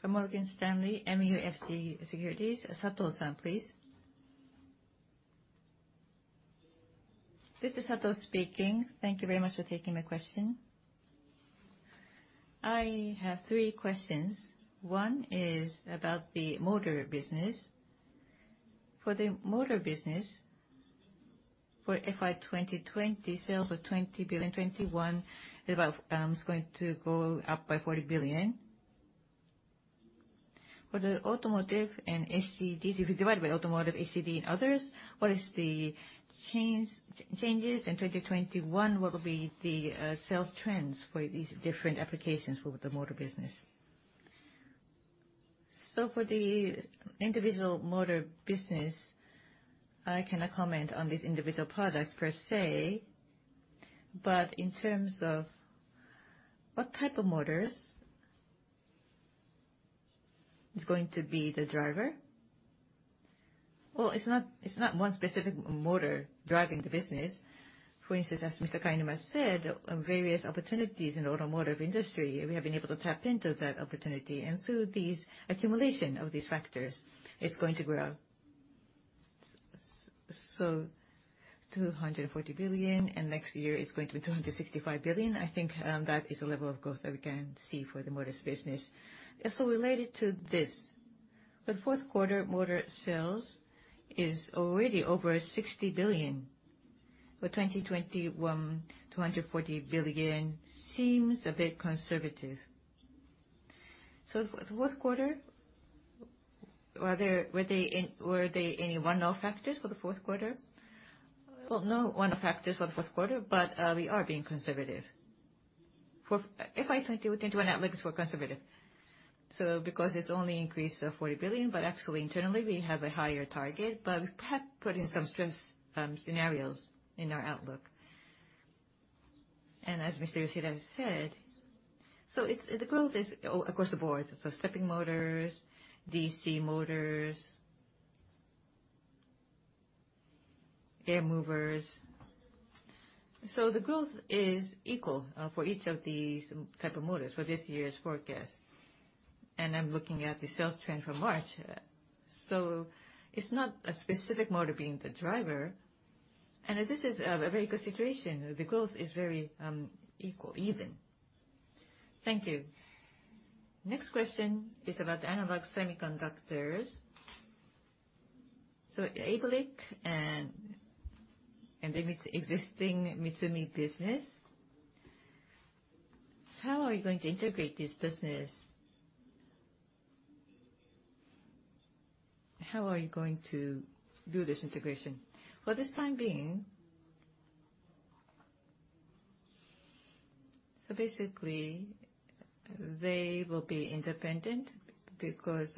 From Morgan Stanley MUFG Securities, Sato-san, please. This is Sato speaking. Thank you very much for taking my question. I have three questions. One is about the motor business. For the motor business, for FY 2020, sales was 20 billion, FY 2021 it's going to go up by 40 billion. For the automotive and ADAS, if you divide by automotive, ADAS, and others, what is the changes in 2021? What will be the sales trends for these different applications for the motor business? For the individual motor business, I cannot comment on these individual products per se, but in terms of what type of motors is going to be the driver, well, it's not one specific motor driving the business. For instance, as Mr. Kainuma said, on various opportunities in the automotive industry, we have been able to tap into that opportunity. These accumulation of these factors is going to grow. 240 billion, and next year it's going to be 265 billion. I think that is the level of growth that we can see for the motors business. Related to this, the fourth quarter motor sales is already over 60 billion, for 2021, 240 billion seems a bit conservative. Fourth quarter, were there any one-off factors for the fourth quarter? Well, no one-off factors for the fourth quarter, we are being conservative. For FY 2021, outlook is for conservative. Because it's only increase of 40 billion, actually internally, we have a higher target, we have put in some stress scenarios in our outlook. As Mr. Yoshida has said, the growth is across the boards, stepping motors, DC motors, air movers. The growth is equal for each of these type of motors for this year's forecast. I'm looking at the sales trend for March. It's not a specific motor being the driver. This is a very good situation. The growth is very equal, even. Thank you. Next question is about Analog semiconductors. ABLIC and the existing Mitsumi business, how are you going to integrate this business? How are you going to do this integration? They will be independent because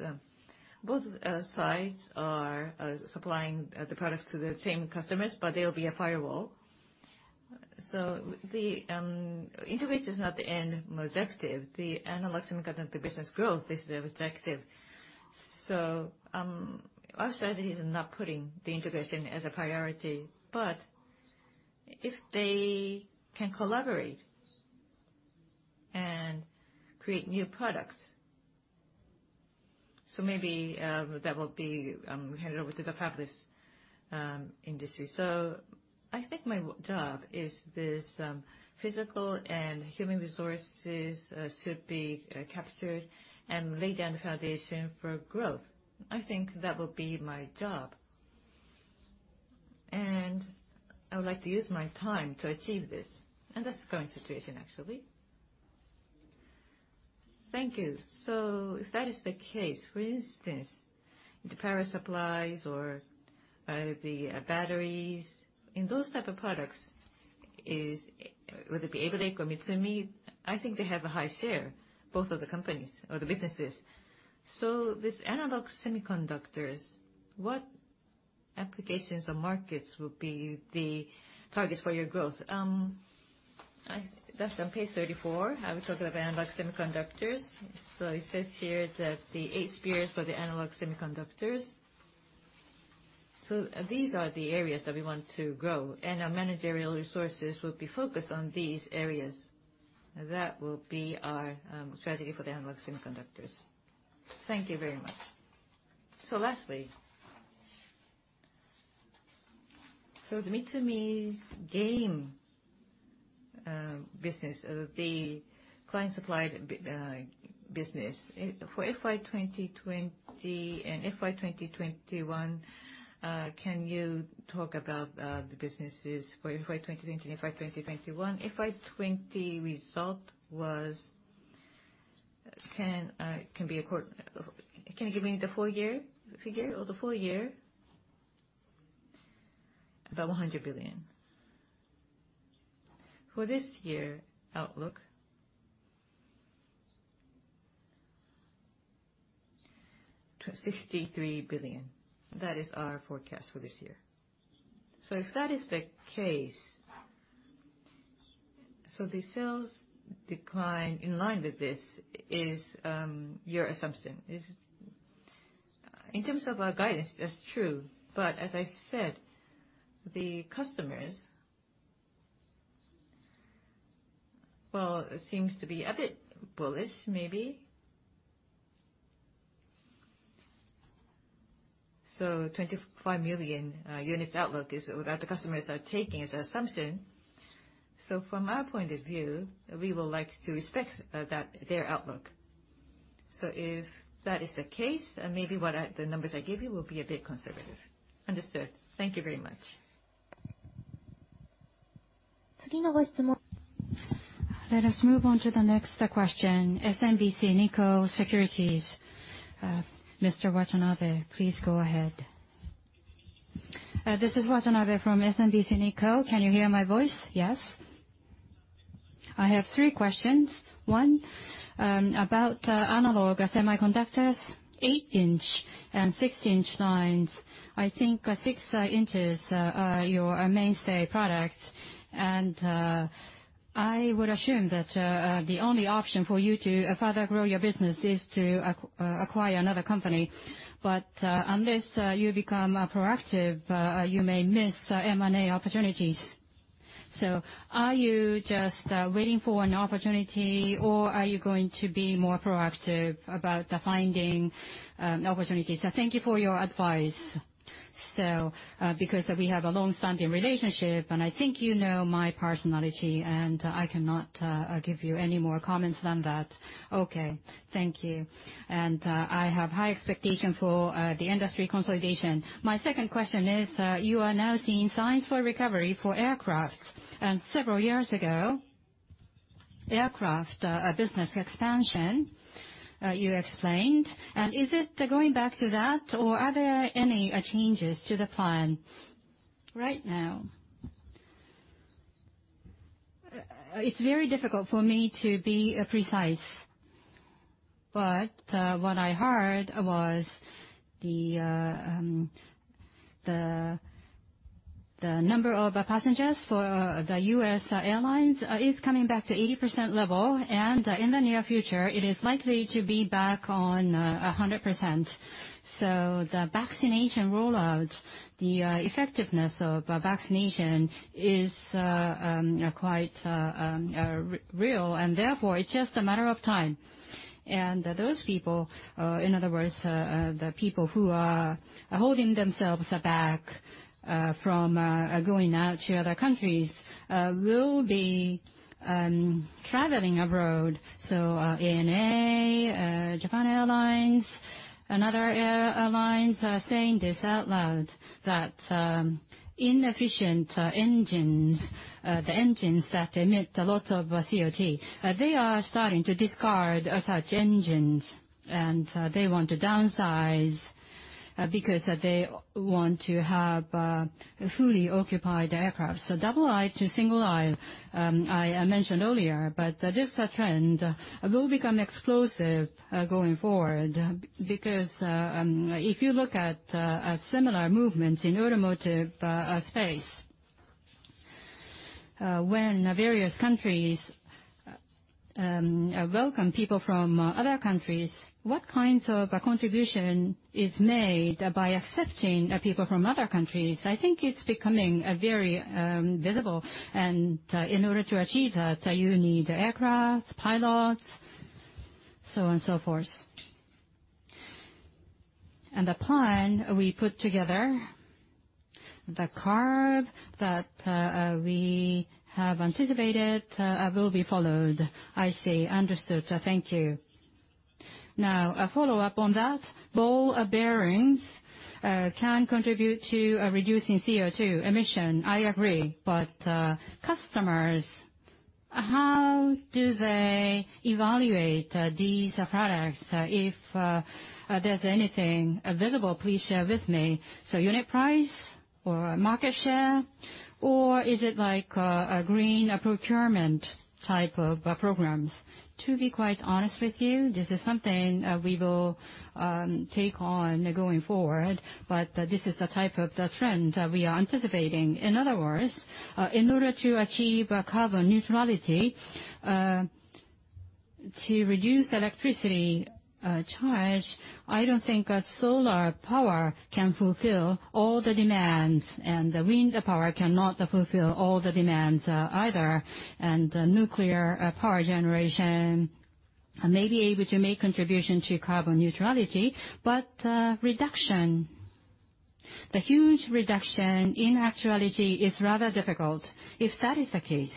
both sides are supplying the products to the same customers, there will be a firewall. The integration is not the end objective. The Analog semiconductors business growth, this is the objective. Our strategy is not putting the integration as a priority, but if they can collaborate and create new products, maybe that will be handed over to the fabless industry. I think my job is this physical and human resources should be captured and lay down the foundation for growth. I think that will be my job. I would like to use my time to achieve this. That's the current situation, actually. Thank you. If that is the case, for instance, the power supplies or the batteries, in those type of products, whether it be ABLIC or Mitsumi, I think they have a high share, both of the companies or the businesses. This analog semiconductors, what applications or markets will be the targets for your growth? That's on page 34. We talk about analog semiconductors. It says here that the Eight Spears for the analog semiconductors. These are the areas that we want to grow, and our managerial resources will be focused on these areas. That will be our strategy for the analog semiconductors. Thank you very much. Lastly, the Mitsumi Business, the client supplied business. For FY 2020 and FY 2021, can you talk about the businesses for FY 2020 and FY 2021? FY 2020 result was. Can you give me the full year figure? Or the full year? About 100 billion. For this year outlook? 63 billion. That is our forecast for this year. If that is the case, so the sales decline in line with this is your assumption? In terms of our guidance, that's true. As I said, the customers, well, seems to be a bit bullish maybe. 25 million units outlook is what the customers are taking as assumption. From our point of view, we would like to respect their outlook. If that is the case, maybe the numbers I give you will be a bit conservative. Understood. Thank you very much. Let us move on to the next question. SMBC Nikko Securities, Mr. Watanabe, please go ahead. This is Watanabe from SMBC Nikko. Can you hear my voice? Yes? I have three questions. One, about analog semiconductors, eight inch and 16-inch lines. I think six inches are your mainstay products, and I would assume that the only option for you to further grow your business is to acquire another company. Unless you become proactive, you may miss M&A opportunities. Are you just waiting for an opportunity, or are you going to be more proactive about finding opportunities? Thank you for your advice. Because we have a long-standing relationship, and I think you know my personality, and I cannot give you any more comments than that. Okay. Thank you. I have high expectation for the industry consolidation. My second question is, you are now seeing signs for recovery for aircraft. Several years ago, aircraft business expansion, you explained, and is it going back to that, or are there any changes to the plan? Right now, it's very difficult for me to be precise, but what I heard was the number of passengers for the U.S. airlines is coming back to 80% level, and in the near future, it is likely to be back on 100%. The vaccination rollout, the effectiveness of vaccination is quite real, and therefore it's just a matter of time. Those people, in other words, the people who are holding themselves back from going out to other countries, will be traveling abroad. ANA, Japan Airlines, and other airlines are saying this out loud, that inefficient engines, the engines that emit a lot of CO2, they are starting to discard such engines. They want to downsize because they want to have fully occupied aircraft. Double aisle to single aisle, I mentioned earlier, but this trend will become explosive going forward. If you look at similar movements in automotive space, when various countries welcome people from other countries, what kinds of contribution is made by accepting people from other countries? I think it's becoming very visible, and in order to achieve that, you need aircraft, pilots, so on and so forth. The plan we put together, the curve that we have anticipated will be followed. I see. Understood. Thank you. Now, a follow-up on that. Ball bearings can contribute to reducing CO2 emission. I agree. Customers, how do they evaluate these products? If there's anything visible, please share with me. Unit price or market share, or is it like a green procurement type of programs? To be quite honest with you, this is something we will take on going forward, but this is the type of trend we are anticipating. In other words, in order to achieve carbon neutrality, to reduce electricity charge, I don't think solar power can fulfill all the demands, and wind power cannot fulfill all the demands either. Nuclear power generation may be able to make contribution to carbon neutrality, but the huge reduction, in actuality, is rather difficult. If that is the case,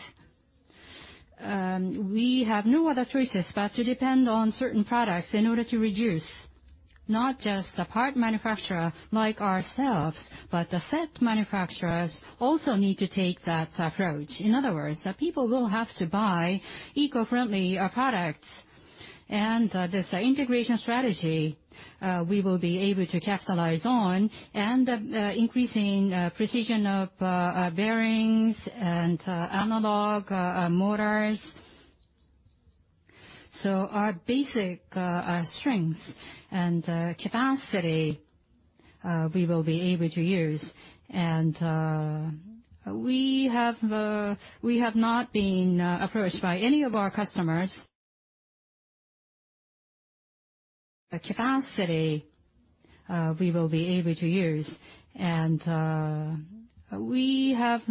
we have no other choices but to depend on certain products in order to reduce. Not just the part manufacturer like ourselves, but the set manufacturers also need to take that approach. In other words, people will have to buy eco-friendly products. This integration strategy, we will be able to capitalize on, increasing precision of bearings and analog motors. Our basic strength and capacity, we will be able to use. We have not been approached by any of our customers. The capacity we will be able to use. We have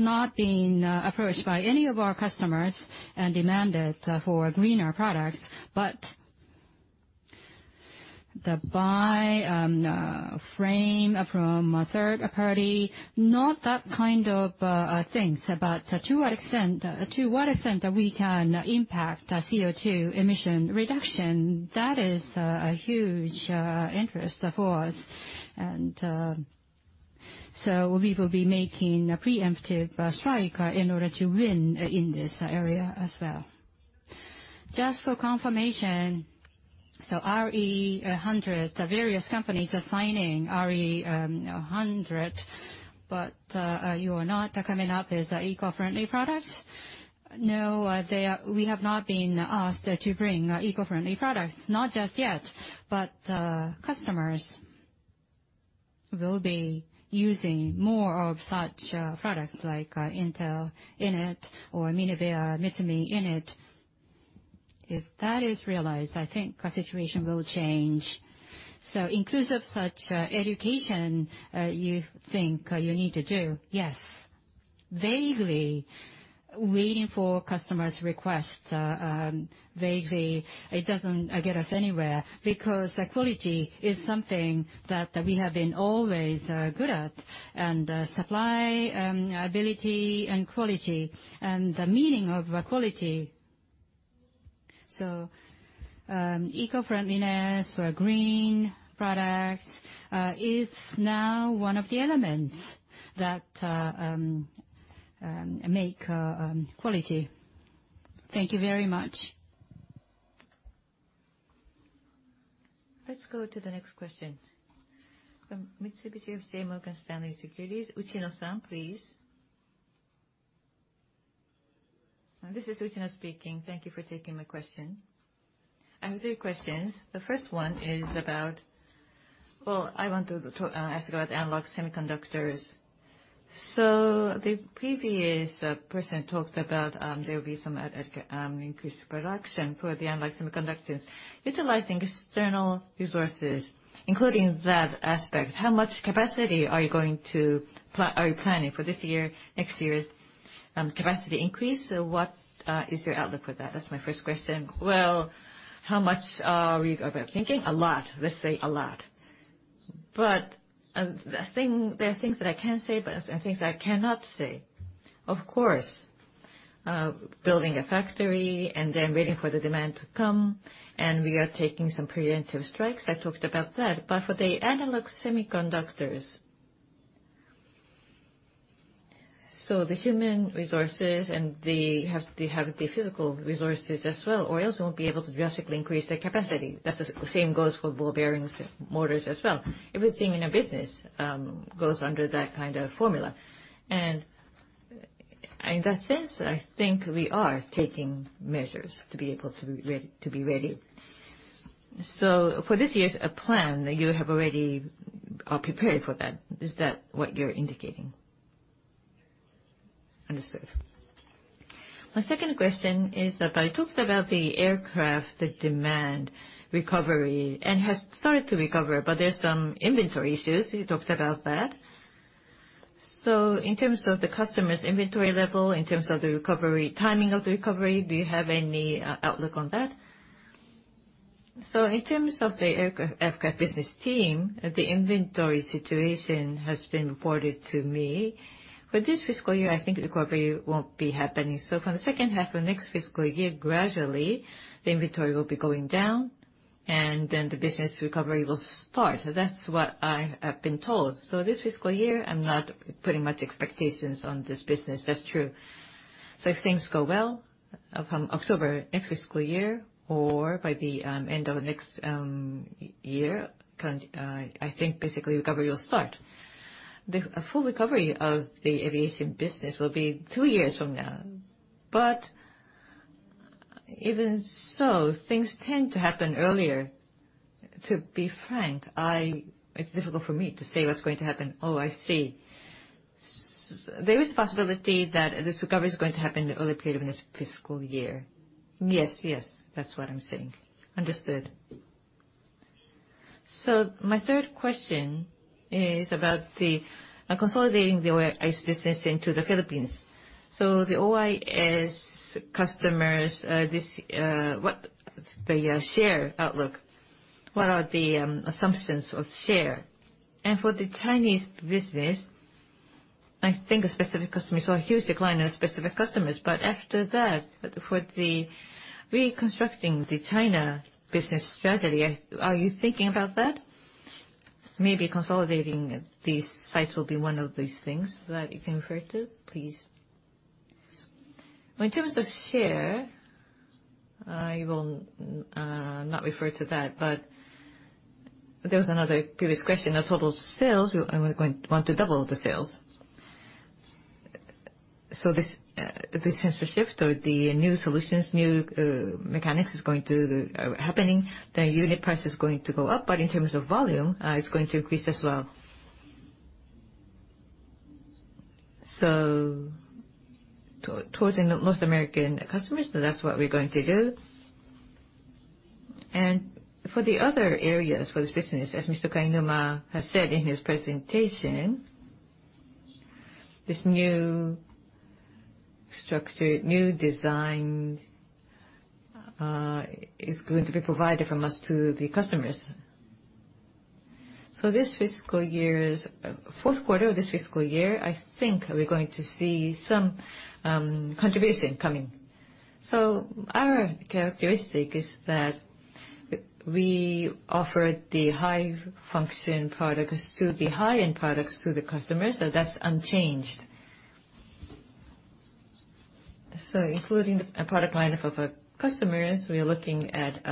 not been approached by any of our customers and demanded for greener products, but the buy frame from a third party, not that kind of things. To what extent we can impact CO2 emission reduction, that is a huge interest for us. We will be making a preemptive strike in order to win in this area as well. Just for confirmation, RE100, various companies are signing RE100, but you are not coming up as an eco-friendly product? No, we have not been asked to bring eco-friendly products, not just yet. Customers will be using more of such products like Intel in it or MinebeaMitsumi in it. If that is realized, I think our situation will change. Inclusive such education, you think you need to do? Yes. Vaguely waiting for customers' requests, vaguely, it doesn't get us anywhere, because quality is something that we have been always good at, and supply ability and quality and the meaning of quality. Eco-friendliness or green products is now one of the elements that make quality. Thank you very much. Let's go to the next question. From Mitsubishi UFJ Morgan Stanley Securities, Uchino-san, please. This is Uchino speaking. Thank you for taking my question. I have three questions. The first one is about, well, I want to ask about Analog semiconductors. The previous person talked about there will be some increased production for the Analog semiconductors. Utilizing external resources, including that aspect, how much capacity are you planning for this year, next year's capacity increase? What is your outlook for that? That's my first question. Well. How much are we thinking? A lot. Let's say a lot. There are things that I can say, but there are things that I cannot say. Of course, building a factory and then waiting for the demand to come, and we are taking some preemptive strikes. I talked about that. For the Analog semiconductors, so the human resources, and they have the physical resources as well, or else won't be able to drastically increase their capacity. The same goes for ball bearings, motors as well. Everything in a business goes under that kind of formula. In that sense, I think we are taking measures to be able to be ready. For this year's plan, you have already are prepared for that. Is that what you are indicating? Understood. My second question is that I talked about the aircraft, the demand recovery, and has started to recover, but there is some inventory issues. You talked about that. In terms of the customer's inventory level, in terms of the timing of the recovery, do you have any outlook on that? In terms of the aircraft business team, the inventory situation has been reported to me. For this fiscal year, I think recovery won't be happening. From the second half of next fiscal year, gradually, the inventory will be going down, and then the business recovery will start. That's what I have been told. This fiscal year, I'm not putting much expectations on this business. That's true. If things go well from October next fiscal year or by the end of next year, I think basically recovery will start. The full recovery of the aviation business will be two years from now. Even so, things tend to happen earlier. To be frank, it's difficult for me to say what's going to happen. Oh, I see. There is a possibility that this recovery is going to happen in the early period of this fiscal year. Yes, yes. That's what I'm saying. Understood. My third question is about consolidating the OIS business into the Philippines. The OIS customers, the share outlook, what are the assumptions of share? For the Chinese business. I think a specific customer saw a huge decline in specific customers. After that, for reconstructing the China business strategy, are you thinking about that? Maybe consolidating these sites will be one of the things that you can refer to, please. In terms of share, I will not refer to that. There was another previous question of total sales, and we want to double the sales. This sensing or the new solutions, new mechanics is going to happening. The unit price is going to go up, but in terms of volume, it's going to increase as well. Towards the North American customers, that's what we're going to do. For the other areas, for this business, as Mr. Kainuma has said in his presentation, this new structure, new design, is going to be provided from us to the customers. This fiscal year's fourth quarter, this fiscal year, I think we're going to see some contribution coming. Our characteristic is that we offer the high-function products to the high-end products to the customers, so that's unchanged. Including a product line up of customers, we are looking at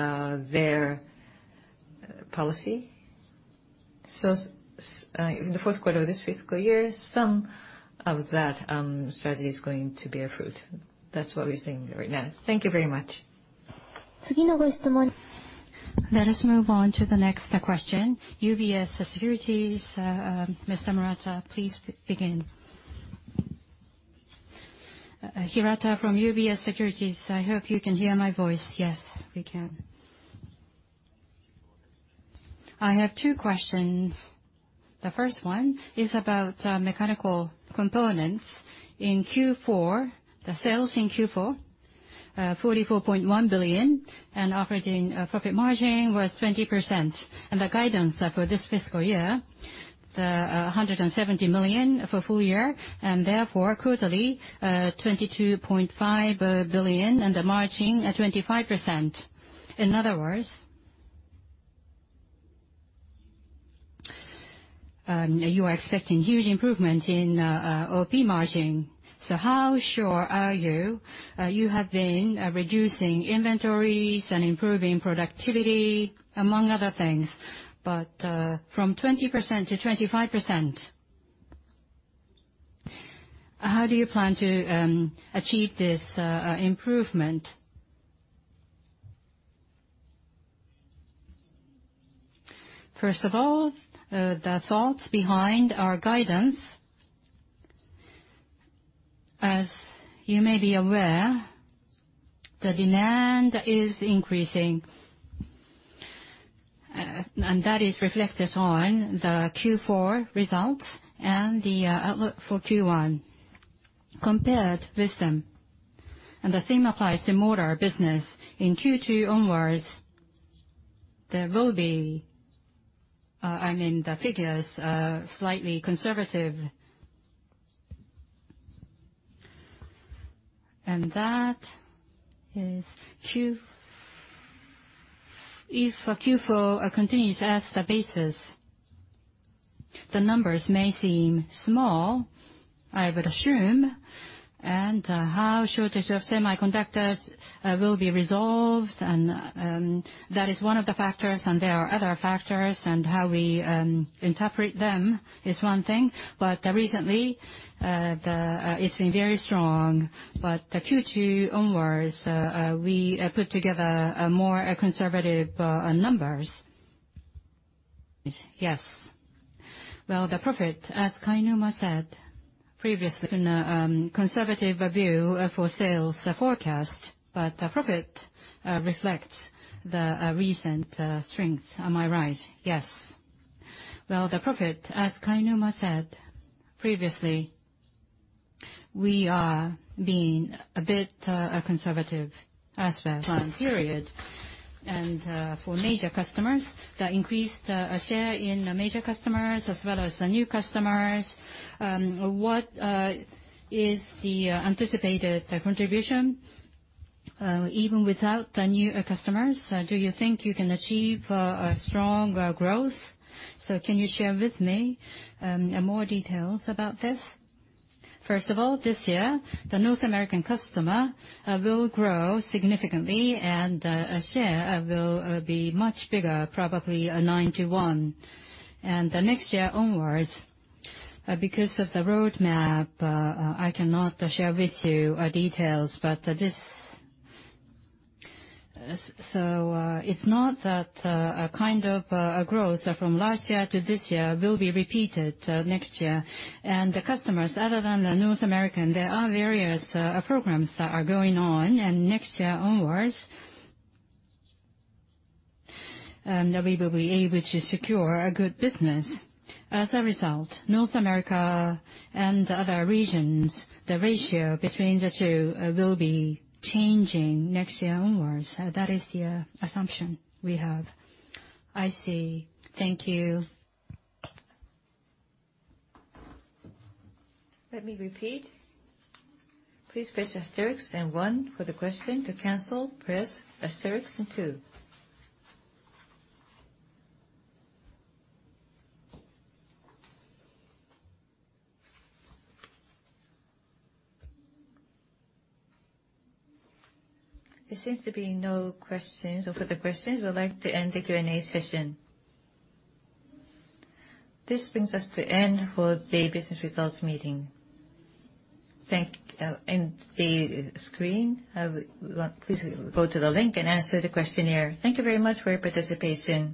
their policy. In the fourth quarter of this fiscal year, some of that strategy is going to bear fruit. That's what we're seeing right now. Thank you very much. Let us move on to the next question. UBS Securities, Mr. Hirata, please begin. Hirata from UBS Securities. I hope you can hear my voice. Yes, we can. I have two questions. The first one is about mechanical components. In Q4, the sales in Q4, 44.1 billion, and operating profit margin was 20%. The guidance for this fiscal year, the 170 million for full year, and therefore quarterly, 22.5 billion and the margin at 25%. In other words, you are expecting huge improvement in OP margin. How sure are you? You have been reducing inventories and improving productivity, among other things. From 20%-25%, how do you plan to achieve this improvement? First of all, the thoughts behind our guidance, as you may be aware, the demand is increasing, and that is reflected on the Q4 results and the outlook for Q1 compared with them. The same applies to motor business. In Q2 onwards, I mean, the figures are slightly conservative. That is if Q4 continues as the basis, the numbers may seem small, I would assume. How shortage of semiconductors will be resolved, and that is one of the factors, and there are other factors, and how we interpret them is one thing. Recently, it's been very strong. Q2 onwards, we put together more conservative numbers. Yes. Well, the profit, as Kainuma said previously, in a conservative view for sales forecast. The profit reflects the recent strength. Am I right? Yes. Well, the profit, as Kainuma said previously, we are being a bit conservative as for time period. For major customers, the increased share in major customers as well as the new customers, what is the anticipated contribution even without the new customers? Do you think you can achieve strong growth? Can you share with me more details about this? First of all, this year, the North American customer will grow significantly, and share will be much bigger, probably 91. The next year onwards, because of the roadmap, I cannot share with you details. It is not that kind of growth from last year to this year will be repeated next year. The customers other than the North American, there are various programs that are going on, and next year onwards, we will be able to secure a good business. As a result, North America and other regions, the ratio between the two will be changing next year onwards. That is the assumption we have. I see. Thank you. Let me repeat. Please press asterisk then one for the question. To cancel, press asterisk and two. There seems to be no questions. For the questions, we would like to end the Q&A session. This brings us to end for the business results meeting. Thank you. And the screen. Please go to the link and answer the questionnaire. Thank you very much for your participation.